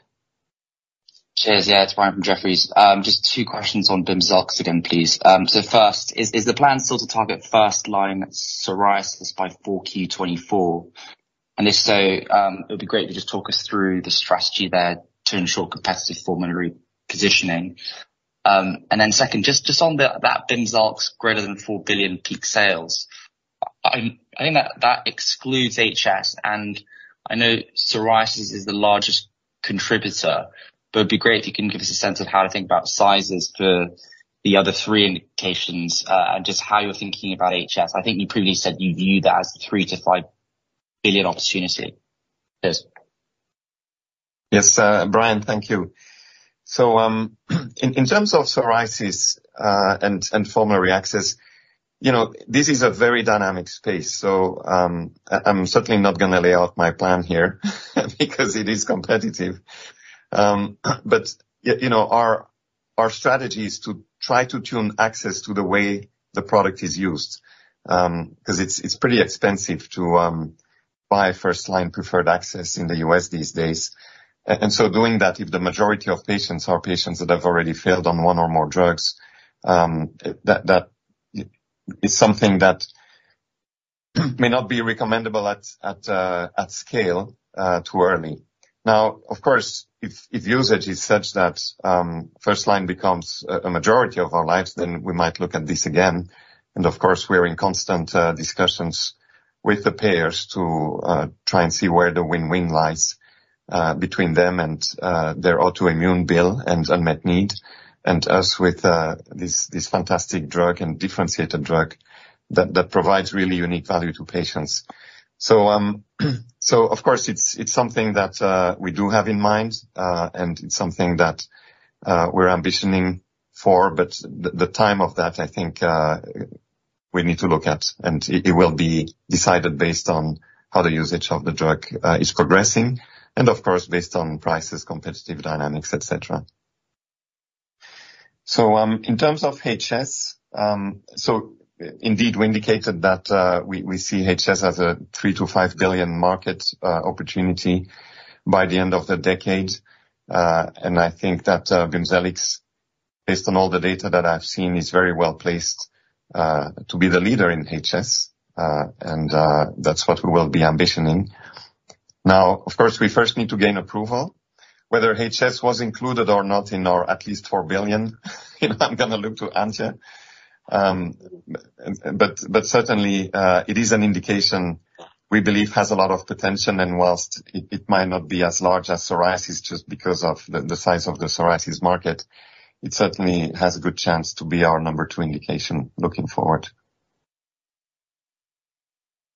Cheers. Yeah, it's Brian from Jefferies. Just two questions on BIMZELX again, please. So first, is the plan still to target first-line psoriasis by 4Q24? And if so, it would be great if you just talk us through the strategy there to ensure competitive formulary positioning. And then second, just on that BIMZELX >EUR 4 billion peak sales, I think that excludes HS. And I know psoriasis is the largest contributor. But it would be great if you can give us a sense of how to think about sizes for the other three indications and just how you're thinking about HS. I think you previously said you view that as a 3 billion-5 billion opportunity. Please. Yes, Brian. Thank you. So in terms of psoriasis and formulary access, this is a very dynamic space. So I'm certainly not going to lay out my plan here because it is competitive. But our strategy is to try to tune access to the way the product is used because it's pretty expensive to buy first-line preferred access in the U.S. these days. And so doing that, if the majority of patients are patients that have already failed on one or more drugs, that is something that may not be recommendable at scale too early. Now, of course, if usage is such that first-line becomes a majority of our lives, then we might look at this again. Of course, we're in constant discussions with the payers to try and see where the win-win lies between them and their autoimmune bill and unmet need and us with this fantastic drug and differentiated drug that provides really unique value to patients. So of course, it's something that we do have in mind. And it's something that we're ambitioning for. But the time of that, I think, we need to look at. And it will be decided based on how the usage of the drug is progressing and, of course, based on prices, competitive dynamics, etc. So in terms of HS, indeed, we indicated that we see HS as a 3 billion-5 billion market opportunity by the end of the decade. And I think that BIMZELX, based on all the data that I've seen, is very well placed to be the leader in HS. That's what we will be ambitioning. Now, of course, we first need to gain approval. Whether HS was included or not in our at least 4 billion, I'm going to look to Antje. Certainly, it is an indication we believe has a lot of potential. And while it might not be as large as psoriasis just because of the size of the psoriasis market, it certainly has a good chance to be our number two indication looking forward.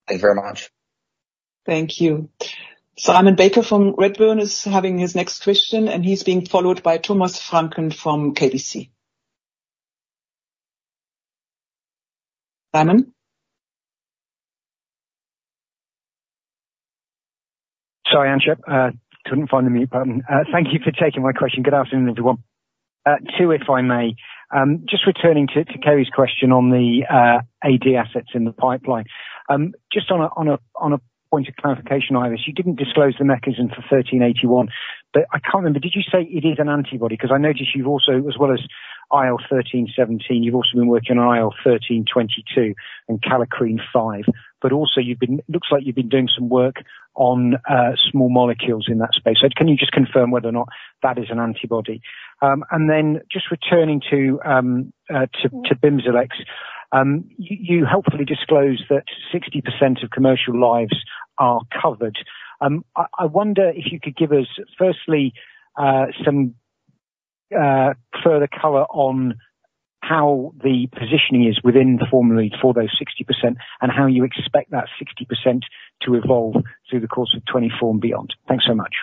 Thank you very much. Thank you. Simon Baker from Redburn is having his next question. He's being followed by Thomas Vranken from KBC. Simon? Sorry, Antje. Couldn't find the mute button. Thank you for taking my question. Good afternoon, everyone. Two, if I may. Just returning to Kerry's question on the AD assets in the pipeline. Just on a point of clarification, Iris, you didn't disclose the mechanism for 1381. But I can't remember. Did you say it is an antibody? Because I noticed you've also, as well as IL-13/17, you've also been working on IL-13/22 and calcineurin. But also, it looks like you've been doing some work on small molecules in that space. So can you just confirm whether or not that is an antibody? And then just returning to BIMZELX, you hopefully disclosed that 60% of commercial lives are covered. I wonder if you could give us, firstly, some further color on how the positioning is within the formulary for those 60% and how you expect that 60% to evolve through the course of 2024 and beyond. Thanks so much.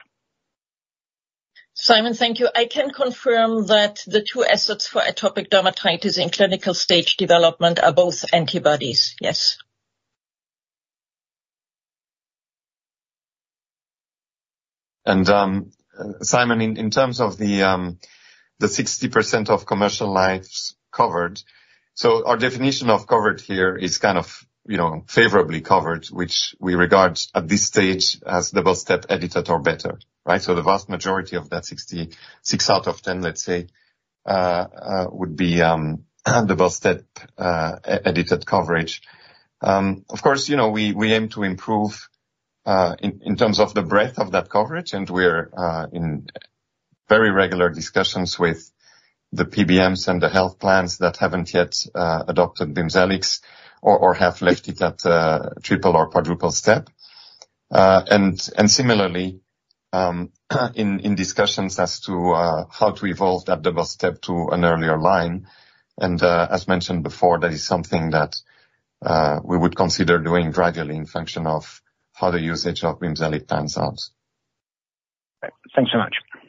Simon, thank you. I can confirm that the two assets for atopic dermatitis in clinical stage development are both antibodies. Yes. Simon, in terms of the 60% of commercial lives covered, so our definition of covered here is kind of favorably covered, which we regard at this stage as double-step edited or better, right? So the vast majority of that 60, 6 out of 10, let's say, would be double-step edited coverage. Of course, we aim to improve in terms of the breadth of that coverage. We're in very regular discussions with the PBMs and the health plans that haven't yet adopted BIMZELX or have left it at triple or quadruple step. Similarly, in discussions as to how to evolve that double step to an earlier line. As mentioned before, that is something that we would consider doing gradually in function of how the usage of BIMZELX pans out. Thanks so much. Thank you.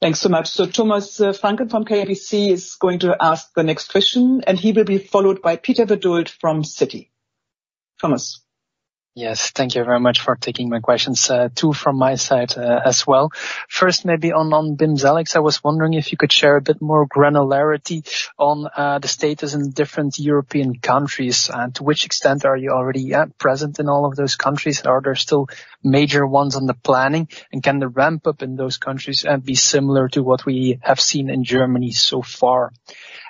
Thanks so much. Thomas Vranken from KBC is going to ask the next question. He will be followed by Peter Verdult from Citi. Thomas. Yes. Thank you very much for taking my questions. Two from my side as well. First, maybe on BIMZELX, I was wondering if you could share a bit more granularity on the status in different European countries. To which extent are you already present in all of those countries? Are there still major ones on the planning? And can the ramp-up in those countries be similar to what we have seen in Germany so far?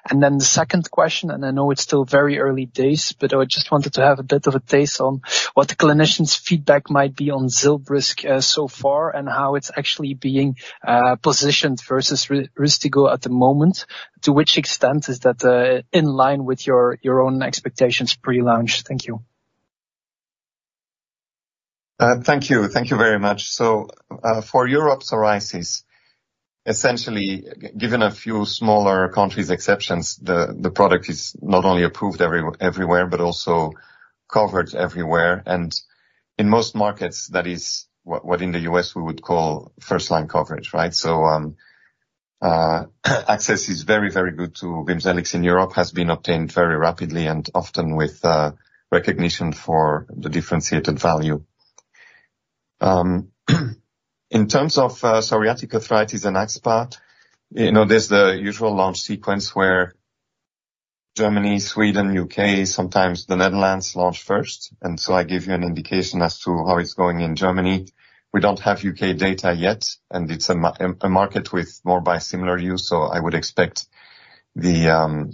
And then the second question, and I know it's still very early days, but I just wanted to have a bit of a taste on what the clinicians' feedback might be on ZILBRYSQ so far and how it's actually being positioned versus RYSTIGGO at the moment. To which extent is that in line with your own expectations pre-launch? Thank you. Thank you. Thank you very much. For Europe's psoriasis, essentially, given a few smaller countries' exceptions, the product is not only approved everywhere but also covered everywhere. In most markets, that is what in the U.S. we would call first-line coverage, right? Access is very, very good to BIMZELX in Europe, has been obtained very rapidly and often with recognition for the differentiated value. In terms of psoriatic arthritis and axSpA, there's the usual launch sequence where Germany, Sweden, UK, sometimes the Netherlands launch first. I gave you an indication as to how it's going in Germany. We don't have UK data yet. It's a market with more biosimilar use. I would expect the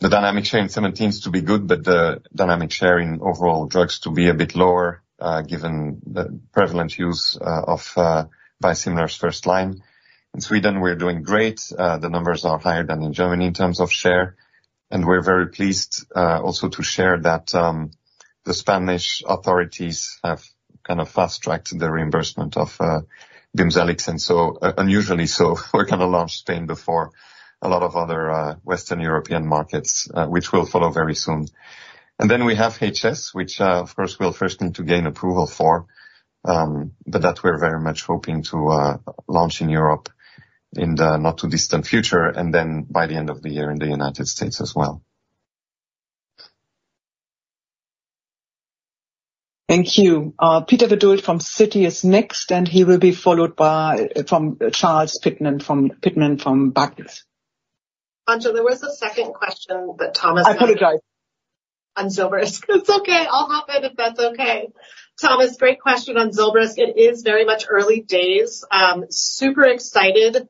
dynamic share in 2017 to be good, but the dynamic share in overall drugs to be a bit lower given the prevalent use of biosimilar first-line. In Sweden, we're doing great. The numbers are higher than in Germany in terms of share. We're very pleased also to share that the Spanish authorities have kind of fast-tracked the reimbursement of BIMZELX. So unusually so, we're going to launch Spain before a lot of other Western European markets, which will follow very soon. Then we have HS, which, of course, we'll first need to gain approval for. That we're very much hoping to launch in Europe in the not-too-distant future and then by the end of the year in the United States as well. Thank you. Peter Verdult from Citi is next. He will be followed by Charles Pitman from Barclays. Antje, there was a second question that Thomas had. I apologize. On ZILBRYSQ. It's okay. I'll hop in if that's okay. Thomas, great question on ZILBRYSQ. It is very much early days. Super excited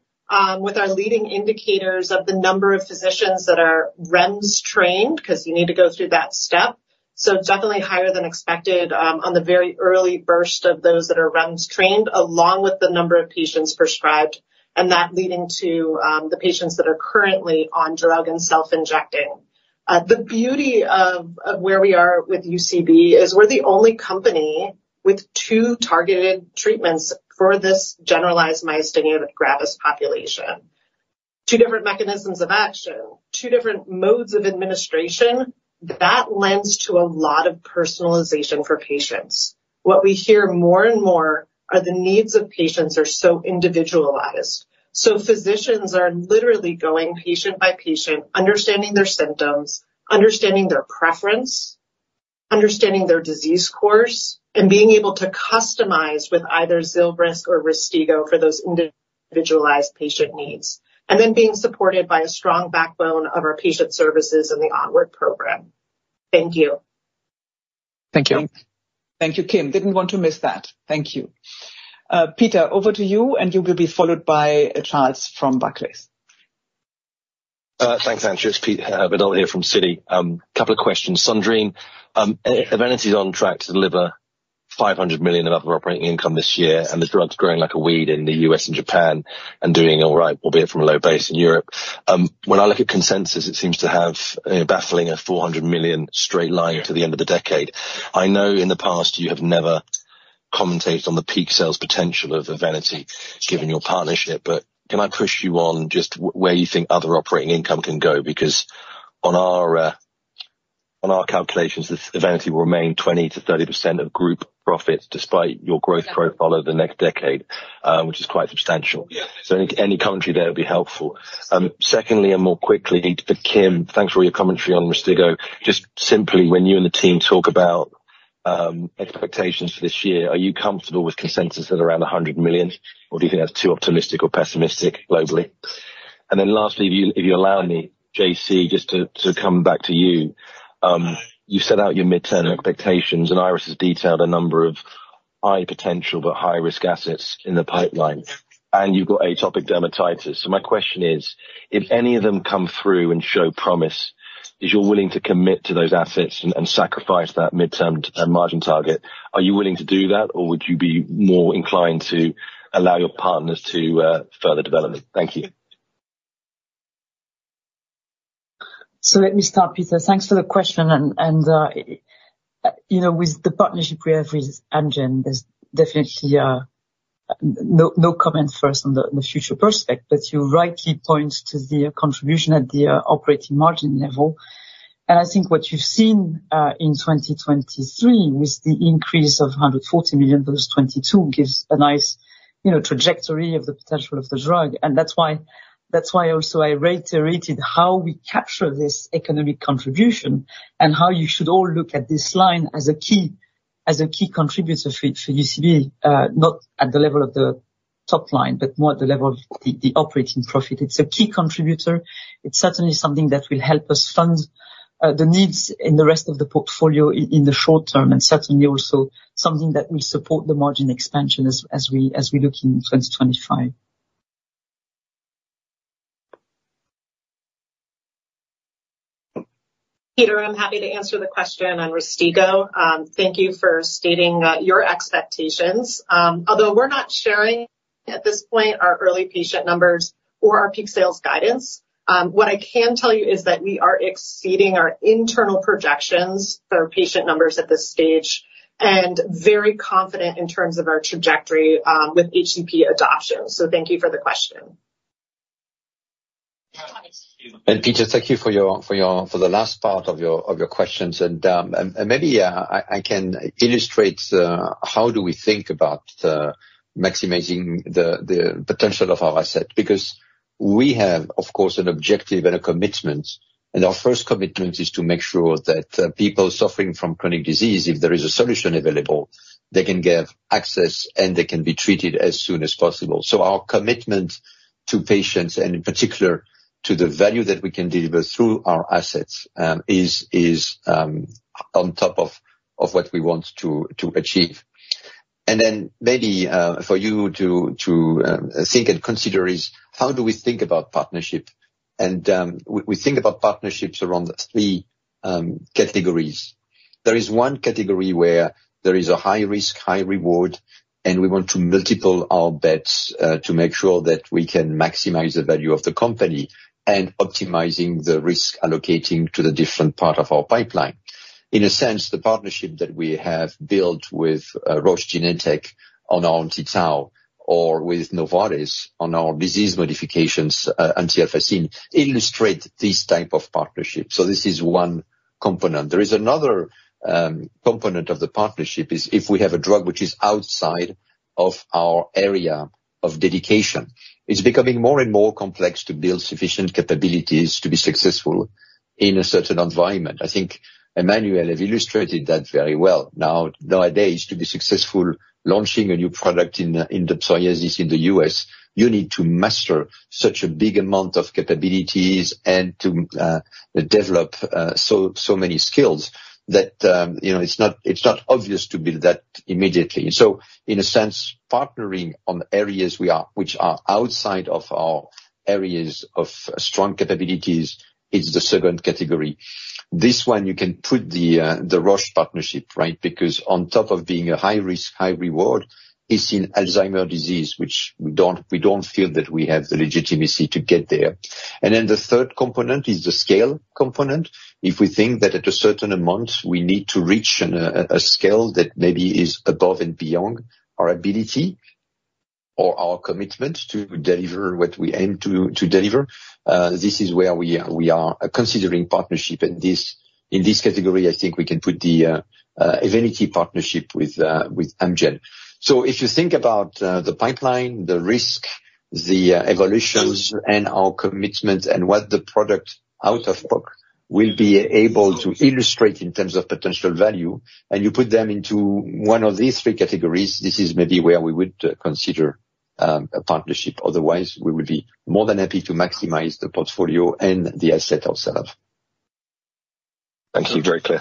with our leading indicators of the number of physicians that are REMS-trained because you need to go through that step. So definitely higher than expected on the very early burst of those that are REMS-trained, along with the number of patients prescribed and that leading to the patients that are currently on drug and self-injecting. The beauty of where we are with UCB is we're the only company with two targeted treatments for this generalized myasthenia gravis population, two different mechanisms of action, two different modes of administration that lends to a lot of personalization for patients. What we hear more and more are the needs of patients are so individualized. So physicians are literally going patient by patient, understanding their symptoms, understanding their preference, understanding their disease course, and being able to customize with either ZILBRYSQ or RYSTIGGO for those individualized patient needs, and then being supported by a strong backbone of our patient services and the Onward program. Thank you. Thank you. Thank you, Kim. Didn't want to miss that. Thank you. Peter, over to you. And you will be followed by Charles from Barclays. Thanks, Antje. It's Peter Verdult here from Citi. Couple of questions. Sandrine, EVENITY's on track to deliver 500 million of other operating income this year. And the drug's growing like a weed in the US and Japan and doing all right, albeit from a low base in Europe. When I look at consensus, it seems to be flatlining at a 400 million straight line to the end of the decade. I know in the past, you have never commented on the peak sales potential of EVENITY given your partnership. But can I push you on just where you think other operating income can go? Because on our calculations, EVENITY will remain 20%-30% of group profit despite your growth profile over the next decade, which is quite substantial. So any commentary there would be helpful. Secondly, and more quickly, for Kim, thanks for all your commentary on Rystiggo. Just simply, when you and the team talk about expectations for this year, are you comfortable with consensus at around 100 million? Or do you think that's too optimistic or pessimistic globally? And then lastly, if you allow me, JC, just to come back to you. You set out your mid-term expectations. And Iris has detailed a number of high potential but high-risk assets in the pipeline. And you've got atopic dermatitis. So my question is, if any of them come through and show promise, is you're willing to commit to those assets and sacrifice that mid-term margin target? Are you willing to do that? Or would you be more inclined to allow your partners to further develop it? Thank you. So let me stop, Peter. Thanks for the question. And with the partnership we have with Antje, there's definitely no comment first on the future prospect. But you rightly point to the contribution at the operating margin level. And I think what you've seen in 2023 with the increase of 140 million versus 2022 gives a nice trajectory of the potential of the drug. And that's why also I reiterated how we capture this economic contribution and how you should all look at this line as a key contributor for UCB, not at the level of the top line but more at the level of the operating profit. It's a key contributor. It's certainly something that will help us fund the needs in the rest of the portfolio in the short term and certainly also something that will support the margin expansion as we look in 2025. Peter, I'm happy to answer the question on RYSTIGGO. Thank you for stating your expectations. Although we're not sharing at this point our early patient numbers or our peak sales guidance, what I can tell you is that we are exceeding our internal projections for patient numbers at this stage and very confident in terms of our trajectory with HCP adoption. So thank you for the question. And Peter, thank you for the last part of your questions. And maybe I can illustrate how do we think about maximizing the potential of our asset? Because we have, of course, an objective and a commitment. And our first commitment is to make sure that people suffering from chronic disease, if there is a solution available, they can get access and they can be treated as soon as possible. So our commitment to patients and, in particular, to the value that we can deliver through our assets is on top of what we want to achieve. And then maybe for you to think and consider is, how do we think about partnership? And we think about partnerships around three categories. There is one category where there is a high risk, high reward. We want to multiply our bets to make sure that we can maximize the value of the company and optimizing the risk allocating to the different part of our pipeline. In a sense, the partnership that we have built with Roche Genentech on our anti-Tau or with Novartis on our disease modifications, anti-alpha-synuclein, illustrate these type of partnerships. So this is one component. There is another component of the partnership is if we have a drug which is outside of our area of dedication. It's becoming more and more complex to build sufficient capabilities to be successful in a certain environment. I think Emmanuel have illustrated that very well. Nowadays, to be successful launching a new product in the psoriasis in the U.S., you need to master such a big amount of capabilities and to develop so many skills that it's not obvious to build that immediately. And so in a sense, partnering on areas which are outside of our areas of strong capabilities, it's the second category. This one, you can put the Roche partnership, right? Because on top of being a high risk, high reward, it's in Alzheimer's disease, which we don't feel that we have the legitimacy to get there. And then the third component is the scale component. If we think that at a certain amount, we need to reach a scale that maybe is above and beyond our ability or our commitment to deliver what we aim to deliver, this is where we are considering partnership. In this category, I think we can put the EVENITY partnership with Antje. So if you think about the pipeline, the risk, the evolutions, and our commitment and what the product out of book will be able to illustrate in terms of potential value, and you put them into one of these three categories, this is maybe where we would consider a partnership. Otherwise, we would be more than happy to maximize the portfolio and the asset ourselves. Thank you. Very clear.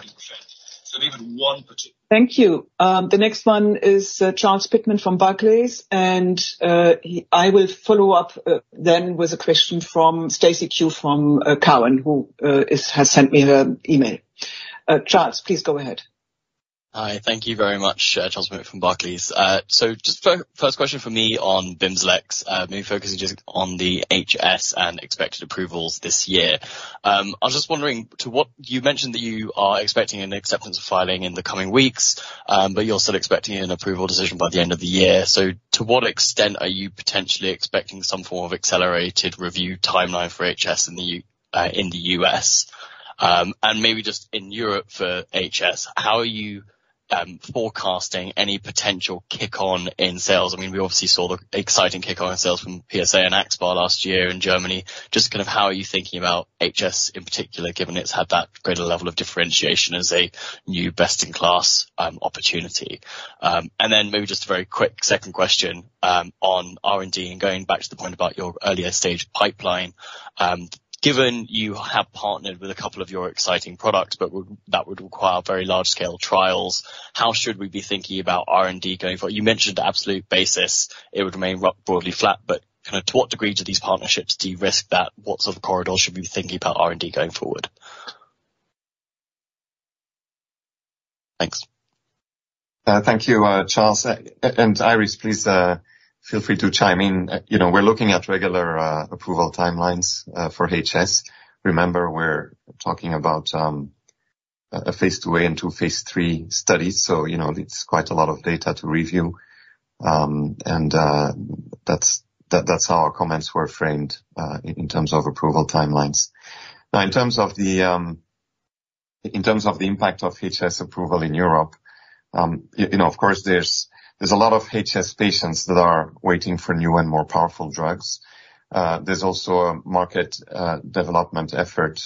Maybe one particular. Thank you. The next one is Charles Pitman from Barclays. I will follow up then with a question from Stacy Ku from Cowen, who has sent me her email. Charles, please go ahead. Hi. Thank you very much, Charles Pitman from Barclays. So just first question for me on BIMZELX, maybe focusing just on the HS and expected approvals this year. I was just wondering, you mentioned that you are expecting an acceptance of filing in the coming weeks, but you're still expecting an approval decision by the end of the year. So to what extent are you potentially expecting some form of accelerated review timeline for HS in the US? And maybe just in Europe for HS, how are you forecasting any potential kick-on in sales? I mean, we obviously saw the exciting kick-on in sales from PsA and axSpA last year in Germany. Just kind of how are you thinking about HS in particular, given it's had that greater level of differentiation as a new best-in-class opportunity? And then maybe just a very quick second question on R&D and going back to the point about your earlier stage pipeline. Given you have partnered with a couple of your exciting products, but that would require very large-scale trials, how should we be thinking about R&D going forward? You mentioned the absolute basis. It would remain broadly flat. But kind of to what degree do these partnerships derisk that? What sort of corridor should we be thinking about R&D going forward? Thanks. Thank you, Charles. And Iris, please feel free to chime in. We're looking at regular approval timelines for HS. Remember, we're talking about a phase two and two phase three studies. So it's quite a lot of data to review. And that's how our comments were framed in terms of approval timelines. Now, in terms of the impact of HS approval in Europe, of course, there's a lot of HS patients that are waiting for new and more powerful drugs. There's also a market development effort,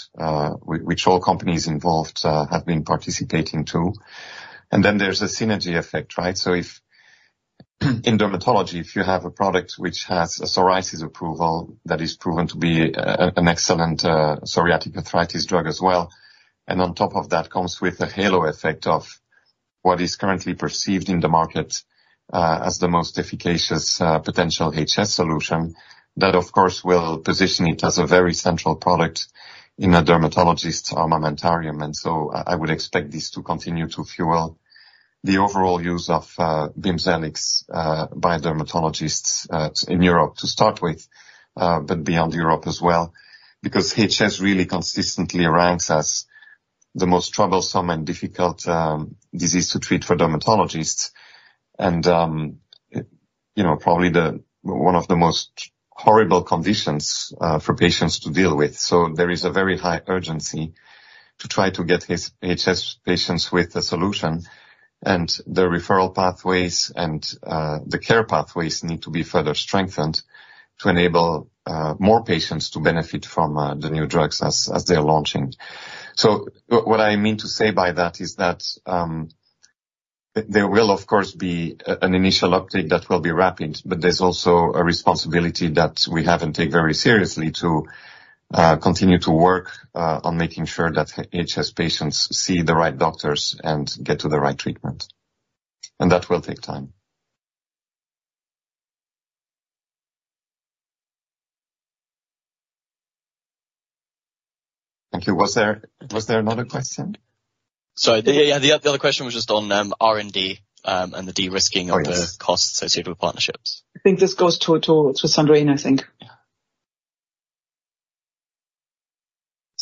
which all companies involved have been participating too. And then there's a synergy effect, right? So in dermatology, if you have a product which has a psoriasis approval that is proven to be an excellent psoriatic arthritis drug as well, and on top of that comes with a halo effect of what is currently perceived in the market as the most efficacious potential HS solution, that, of course, will position it as a very central product in a dermatologist's armamentarium. And so I would expect these to continue to fuel the overall use of BIMZELX by dermatologists in Europe to start with but beyond Europe as well because HS really consistently ranks as the most troublesome and difficult disease to treat for dermatologists and probably one of the most horrible conditions for patients to deal with. So there is a very high urgency to try to get HS patients with a solution. The referral pathways and the care pathways need to be further strengthened to enable more patients to benefit from the new drugs as they're launching. So what I mean to say by that is that there will, of course, be an initial uptake that will be rapid. But there's also a responsibility that we haven't taken very seriously to continue to work on making sure that HS patients see the right doctors and get to the right treatment. That will take time. Thank you. Was there another question? Sorry. Yeah. The other question was just on R&D and the derisking of the costs associated with partnerships. I think this goes to Sandrine, I think.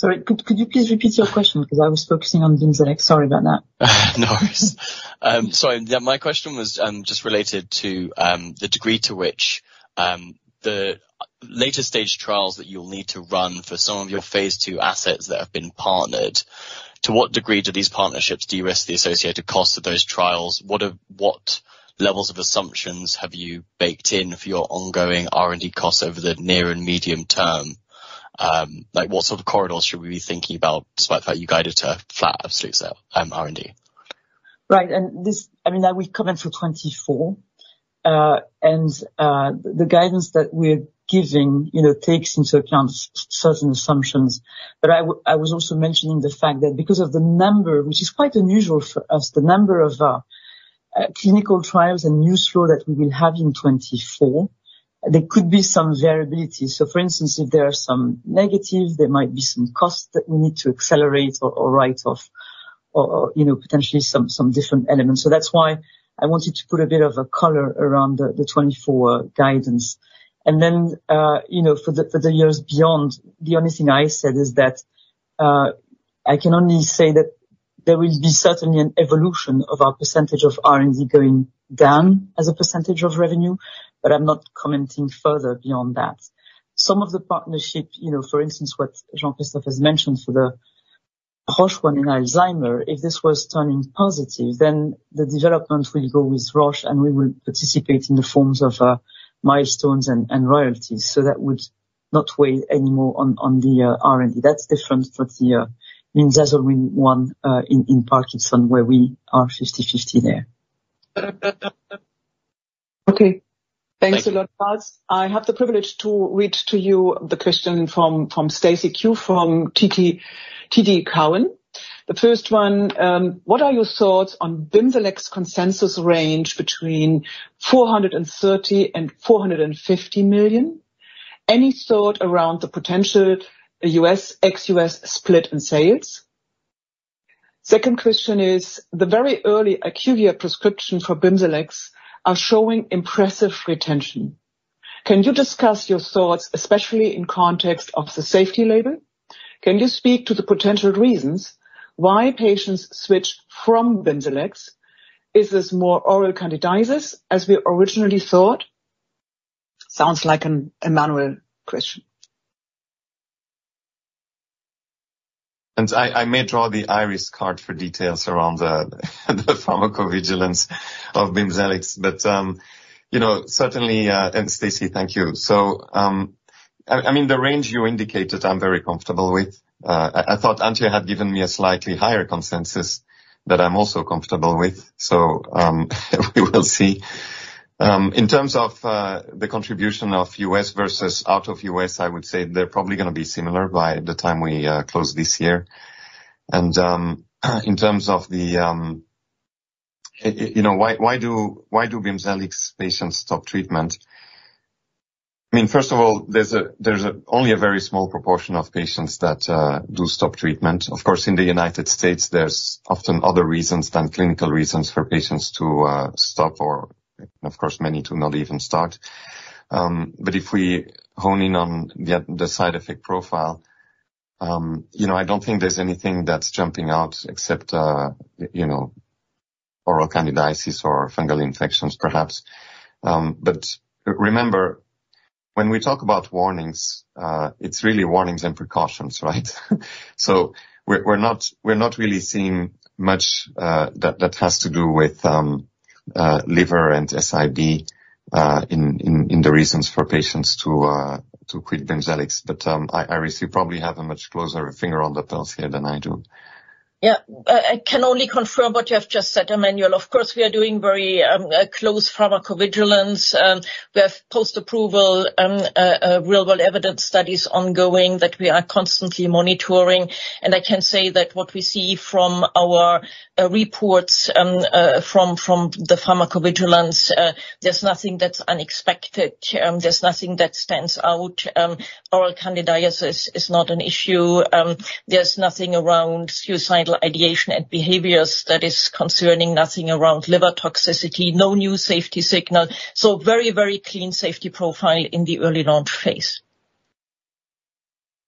Could you please repeat your question? Because I was focusing on BIMZELX. Sorry about that. No worries. Sorry. My question was just related to the degree to which the later stage trials that you'll need to run for some of your phase two assets that have been partnered, to what degree do these partnerships derisk the associated costs of those trials? What levels of assumptions have you baked in for your ongoing R&D costs over the near and medium term? What sort of corridors should we be thinking about despite the fact you guided to flat, absolute R&D? Right. I mean, we've come in for 2024. The guidance that we're giving takes into account certain assumptions. But I was also mentioning the fact that because of the number, which is quite unusual for us, the number of clinical trials and new flow that we will have in 2024, there could be some variability. For instance, if there are some negatives, there might be some costs that we need to accelerate or write off or potentially some different elements. That's why I wanted to put a bit of a color around the 2024 guidance. Then for the years beyond, the only thing I said is that I can only say that there will be certainly an evolution of our percentage of R&D going down as a percentage of revenue. But I'm not commenting further beyond that. Some of the partnership, for instance, what Jean-Christophe has mentioned for the Roche one in Alzheimer's, if this was turning positive, then the development will go with Roche. We will participate in the forms of milestones and royalties. That would not weigh anymore on the R&D. That's different for the Minzasolmin one in Parkinson's, where we are 50/50 there. Okay. Thanks a lot, Charles. I have the privilege to read to you the question from Stacy Ku from TD Cowen. The first one, what are your thoughts on BIMZELX consensus range between 430 million and 450 million? Any thought around the potential ex-US split in sales? Second question is, the very early IQVIA prescription for BIMZELX are showing impressive retention. Can you discuss your thoughts, especially in context of the safety label? Can you speak to the potential reasons why patients switch from BIMZELX? Is this more oral candidiasis as we originally thought? Sounds like an Emmanuel question. And I may draw the Iris card for details around the pharmacovigilance of BIMZELX. But certainly, Stacy, thank you. So I mean, the range you indicated, I'm very comfortable with. I thought Antje had given me a slightly higher consensus that I'm also comfortable with. So we will see. In terms of the contribution of US versus out of US, I would say they're probably going to be similar by the time we close this year. And in terms of the why do BIMZELX patients stop treatment? I mean, first of all, there's only a very small proportion of patients that do stop treatment. Of course, in the United States, there's often other reasons than clinical reasons for patients to stop or, of course, many to not even start. But if we hone in on the side effect profile, I don't think there's anything that's jumping out except oral candidiasis or fungal infections, perhaps. But remember, when we talk about warnings, it's really warnings and precautions, right? So we're not really seeing much that has to do with liver and SIB in the reasons for patients to quit BIMZELX. But Iris, you probably have a much closer finger on the pulse here than I do. Yeah. I can only confirm what you have just said, Emmanuel. Of course, we are doing very close pharmacovigilance. We have post-approval real-world evidence studies ongoing that we are constantly monitoring. And I can say that what we see from our reports from the pharmacovigilance, there's nothing that's unexpected. There's nothing that stands out. Oral candidiasis is not an issue. There's nothing around suicidal ideation and behaviors that is concerning. Nothing around liver toxicity. No new safety signal. So very, very clean safety profile in the early launch phase.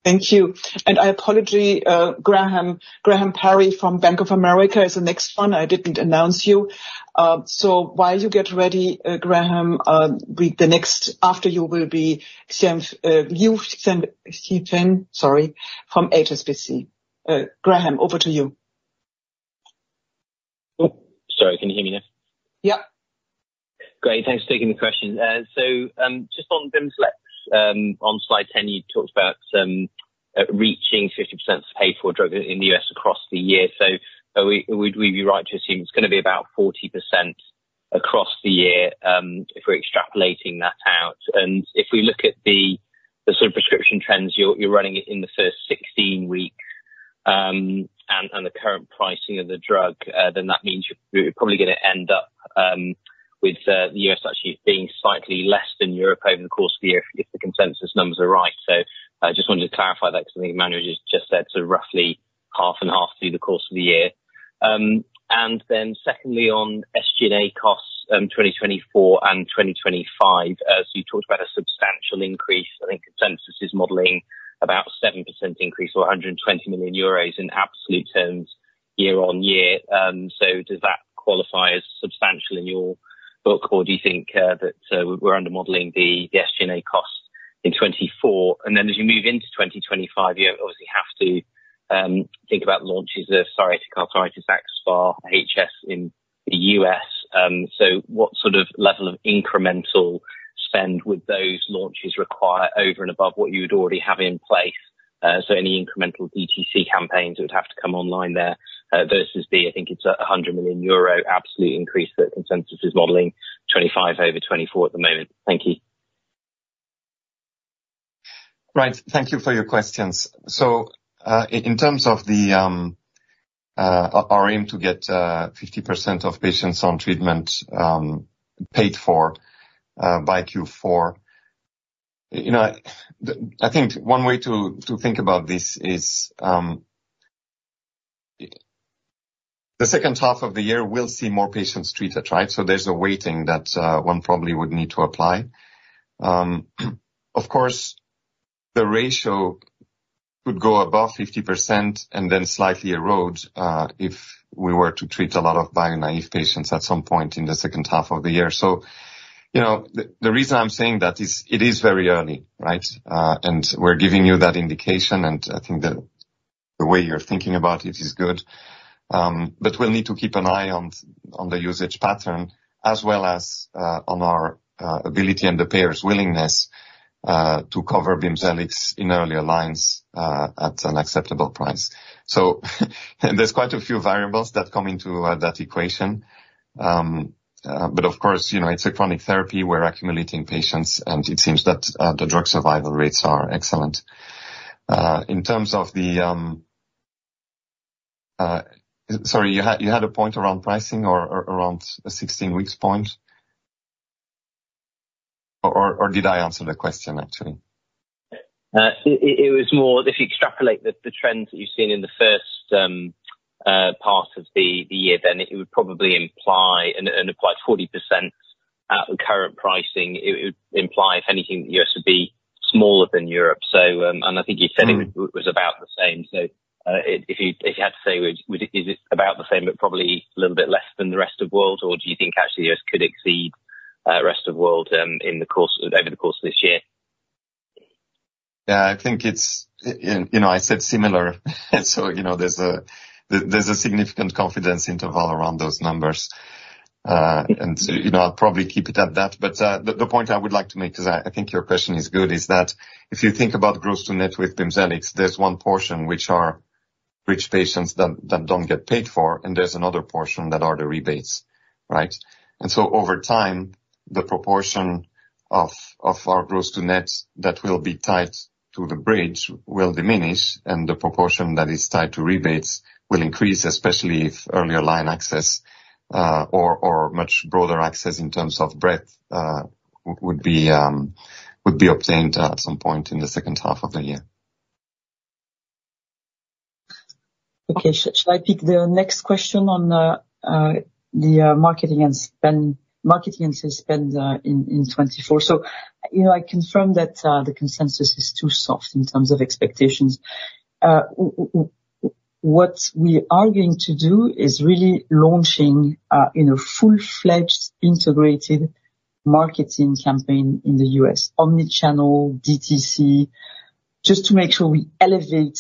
Thank you. And I apologize, Graham Parry from Bank of America is the next one. I didn't announce you. So while you get ready, Graham, the next after you will be Yifeng Liu, sorry, from HSBC. Graham, over to you. Sorry. Can you hear me now? Yep. Great. Thanks for taking the question. So just on BIMZELX, on slide 10, you talked about reaching 50% of paid-for drugs in the U.S. across the year. So would we be right to assume it's going to be about 40% across the year if we're extrapolating that out? And if we look at the sort of prescription trends, you're running it in the first 16 weeks. And the current pricing of the drug, then that means you're probably going to end up with the U.S. actually being slightly less than Europe over the course of the year if the consensus numbers are right. So I just wanted to clarify that because I think Emmanuel just said so roughly half and half through the course of the year. And then secondly, on SG&A costs 2024 and 2025, so you talked about a substantial increase. I think consensus is modeling about a 7% increase or 120 million euros in absolute terms year-over-year. So does that qualify as substantial in your book? Or do you think that we're undermodeling the SG&A cost in 2024? And then as you move into 2025, you obviously have to think about launches of psoriatic arthritis, axSpA, HS in the US. So what sort of level of incremental spend would those launches require over and above what you would already have in place? So any incremental DTC campaigns that would have to come online there versus the, I think it's a 100 million euro absolute increase that consensus is modeling 2025 over 2024 at the moment. Thank you. Right. Thank you for your questions. So in terms of our aim to get 50% of patients on treatment paid for by Q4, I think one way to think about this is the second half of the year, we'll see more patients treated, right? So there's a waiting that one probably would need to apply. Of course, the ratio could go above 50% and then slightly erode if we were to treat a lot of bio-naïve patients at some point in the second half of the year. So the reason I'm saying that is it is very early, right? And we're giving you that indication. And I think that the way you're thinking about it is good. But we'll need to keep an eye on the usage pattern as well as on our ability and the payer's willingness to cover BIMZELX in earlier lines at an acceptable price. So there's quite a few variables that come into that equation. But of course, it's a chronic therapy. We're accumulating patients. And it seems that the drug survival rates are excellent. In terms of the, sorry, you had a point around pricing or around a 16-week point? Or did I answer the question, actually? It was more if you extrapolate the trends that you've seen in the first part of the year, then it would probably imply and apply 40% at the current pricing. It would imply, if anything, that the U.S. would be smaller than Europe. I think you said it was about the same. If you had to say, is it about the same but probably a little bit less than the rest of the world? Or do you think, actually, the U.S. could exceed the rest of the world over the course of this year? Yeah. I think it's, I said, similar. So there's a significant confidence interval around those numbers. And I'll probably keep it at that. But the point I would like to make because I think your question is good is that if you think about gross-to-net with BIMZELX, there's one portion which are rich patients that don't get paid for. And there's another portion that are the rebates, right? And so over time, the proportion of our gross-to-net that will be tied to the bridge will diminish. And the proportion that is tied to rebates will increase, especially if earlier line access or much broader access in terms of breadth would be obtained at some point in the second half of the year. Okay. Shall I pick the next question on the marketing and sales spend in 2024? So I confirm that the consensus is too soft in terms of expectations. What we are going to do is really launching a full-fledged, integrated marketing campaign in the US, omnichannel, DTC, just to make sure we elevate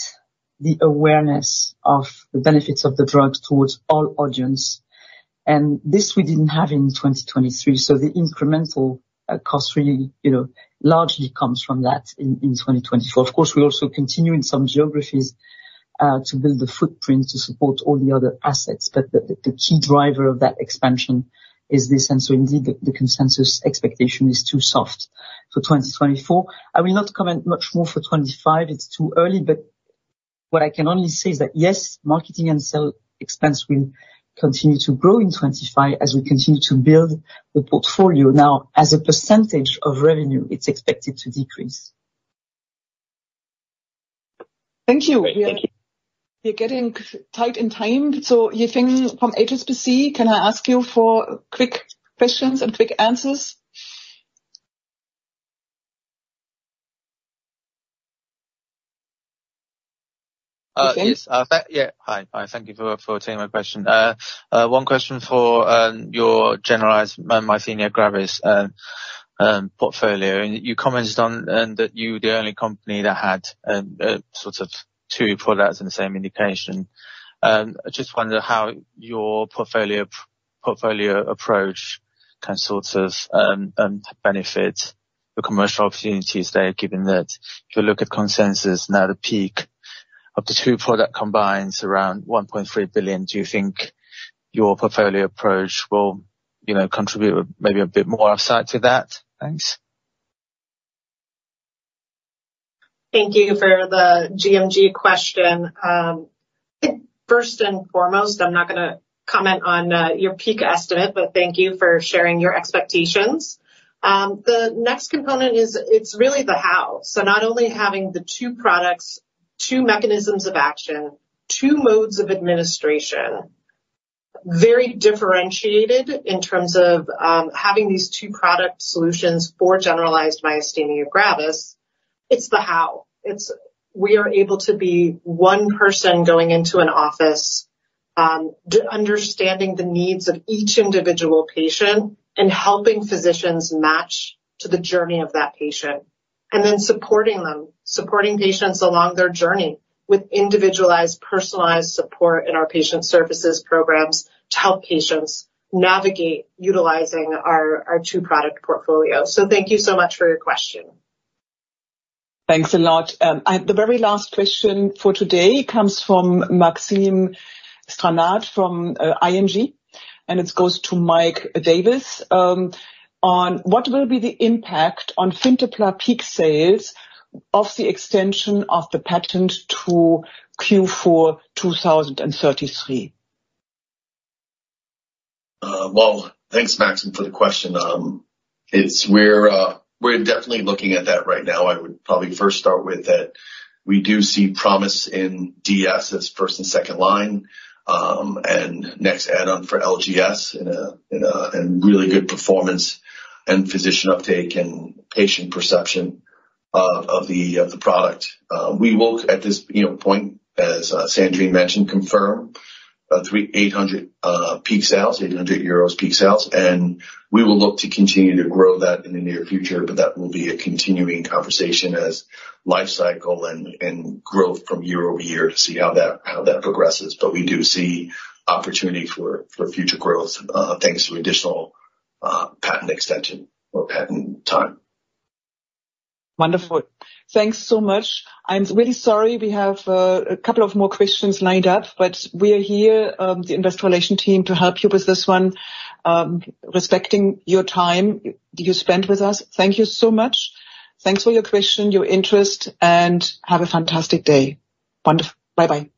the awareness of the benefits of the drugs towards all audiences. And this, we didn't have in 2023. So the incremental cost really largely comes from that in 2024. Of course, we also continue in some geographies to build the footprint to support all the other assets. But the key driver of that expansion is this. And so indeed, the consensus expectation is too soft for 2024. I will not comment much more for 2025. It's too early. What I can only say is that, yes, marketing and sales expense will continue to grow in 2025 as we continue to build the portfolio. Now, as a percentage of revenue, it's expected to decrease. Thank you. Great. Thank you. We're getting tight in time. Xiao Liu from HSBC, can I ask you for quick questions and quick answers? Yes. Yeah. Hi. Hi. Thank you for taking my question. One question for your generalized myasthenia gravis portfolio. You commented on that you're the only company that had sort of two products in the same indication. I just wonder how your portfolio approach can sort of benefit the commercial opportunities there, given that if you look at consensus now, the peak of the two products combined is around 1.3 billion. Do you think your portfolio approach will contribute maybe a bit more off-site to that? Thanks. Thank you for the GMG question. First and foremost, I'm not going to comment on your peak estimate. But thank you for sharing your expectations. The next component is it's really the how. So not only having the two products, two mechanisms of action, two modes of administration, very differentiated in terms of having these two product solutions for generalized myasthenia gravis, it's the how. We are able to be one person going into an office, understanding the needs of each individual patient, and helping physicians match to the journey of that patient, and then supporting them, supporting patients along their journey with individualized, personalized support in our patient services programs to help patients navigate utilizing our two-product portfolio. So thank you so much for your question. Thanks a lot. The very last question for today comes from Maxime Stranart from ING. It goes to Mike Davis on what will be the impact on FINTEPLA peak sales of the extension of the patent to Q4 2033? Well, thanks, Maxim, for the question. We're definitely looking at that right now. I would probably first start with that we do see promise in DS as first and second line. And next add-on for LGS and really good performance and physician uptake and patient perception of the product. We will, at this point, as Sandrine mentioned, confirm 800 peak sales, 800 euros peak sales. And we will look to continue to grow that in the near future. But that will be a continuing conversation as life cycle and growth from year-over-year to see how that progresses. But we do see opportunity for future growth thanks to additional patent extension or patent time. Wonderful. Thanks so much. I'm really sorry we have a couple of more questions lined up. But we are here, the Investor Relations team, to help you with this one, respecting your time that you spent with us. Thank you so much. Thanks for your question, your interest, and have a fantastic day. Bye-bye.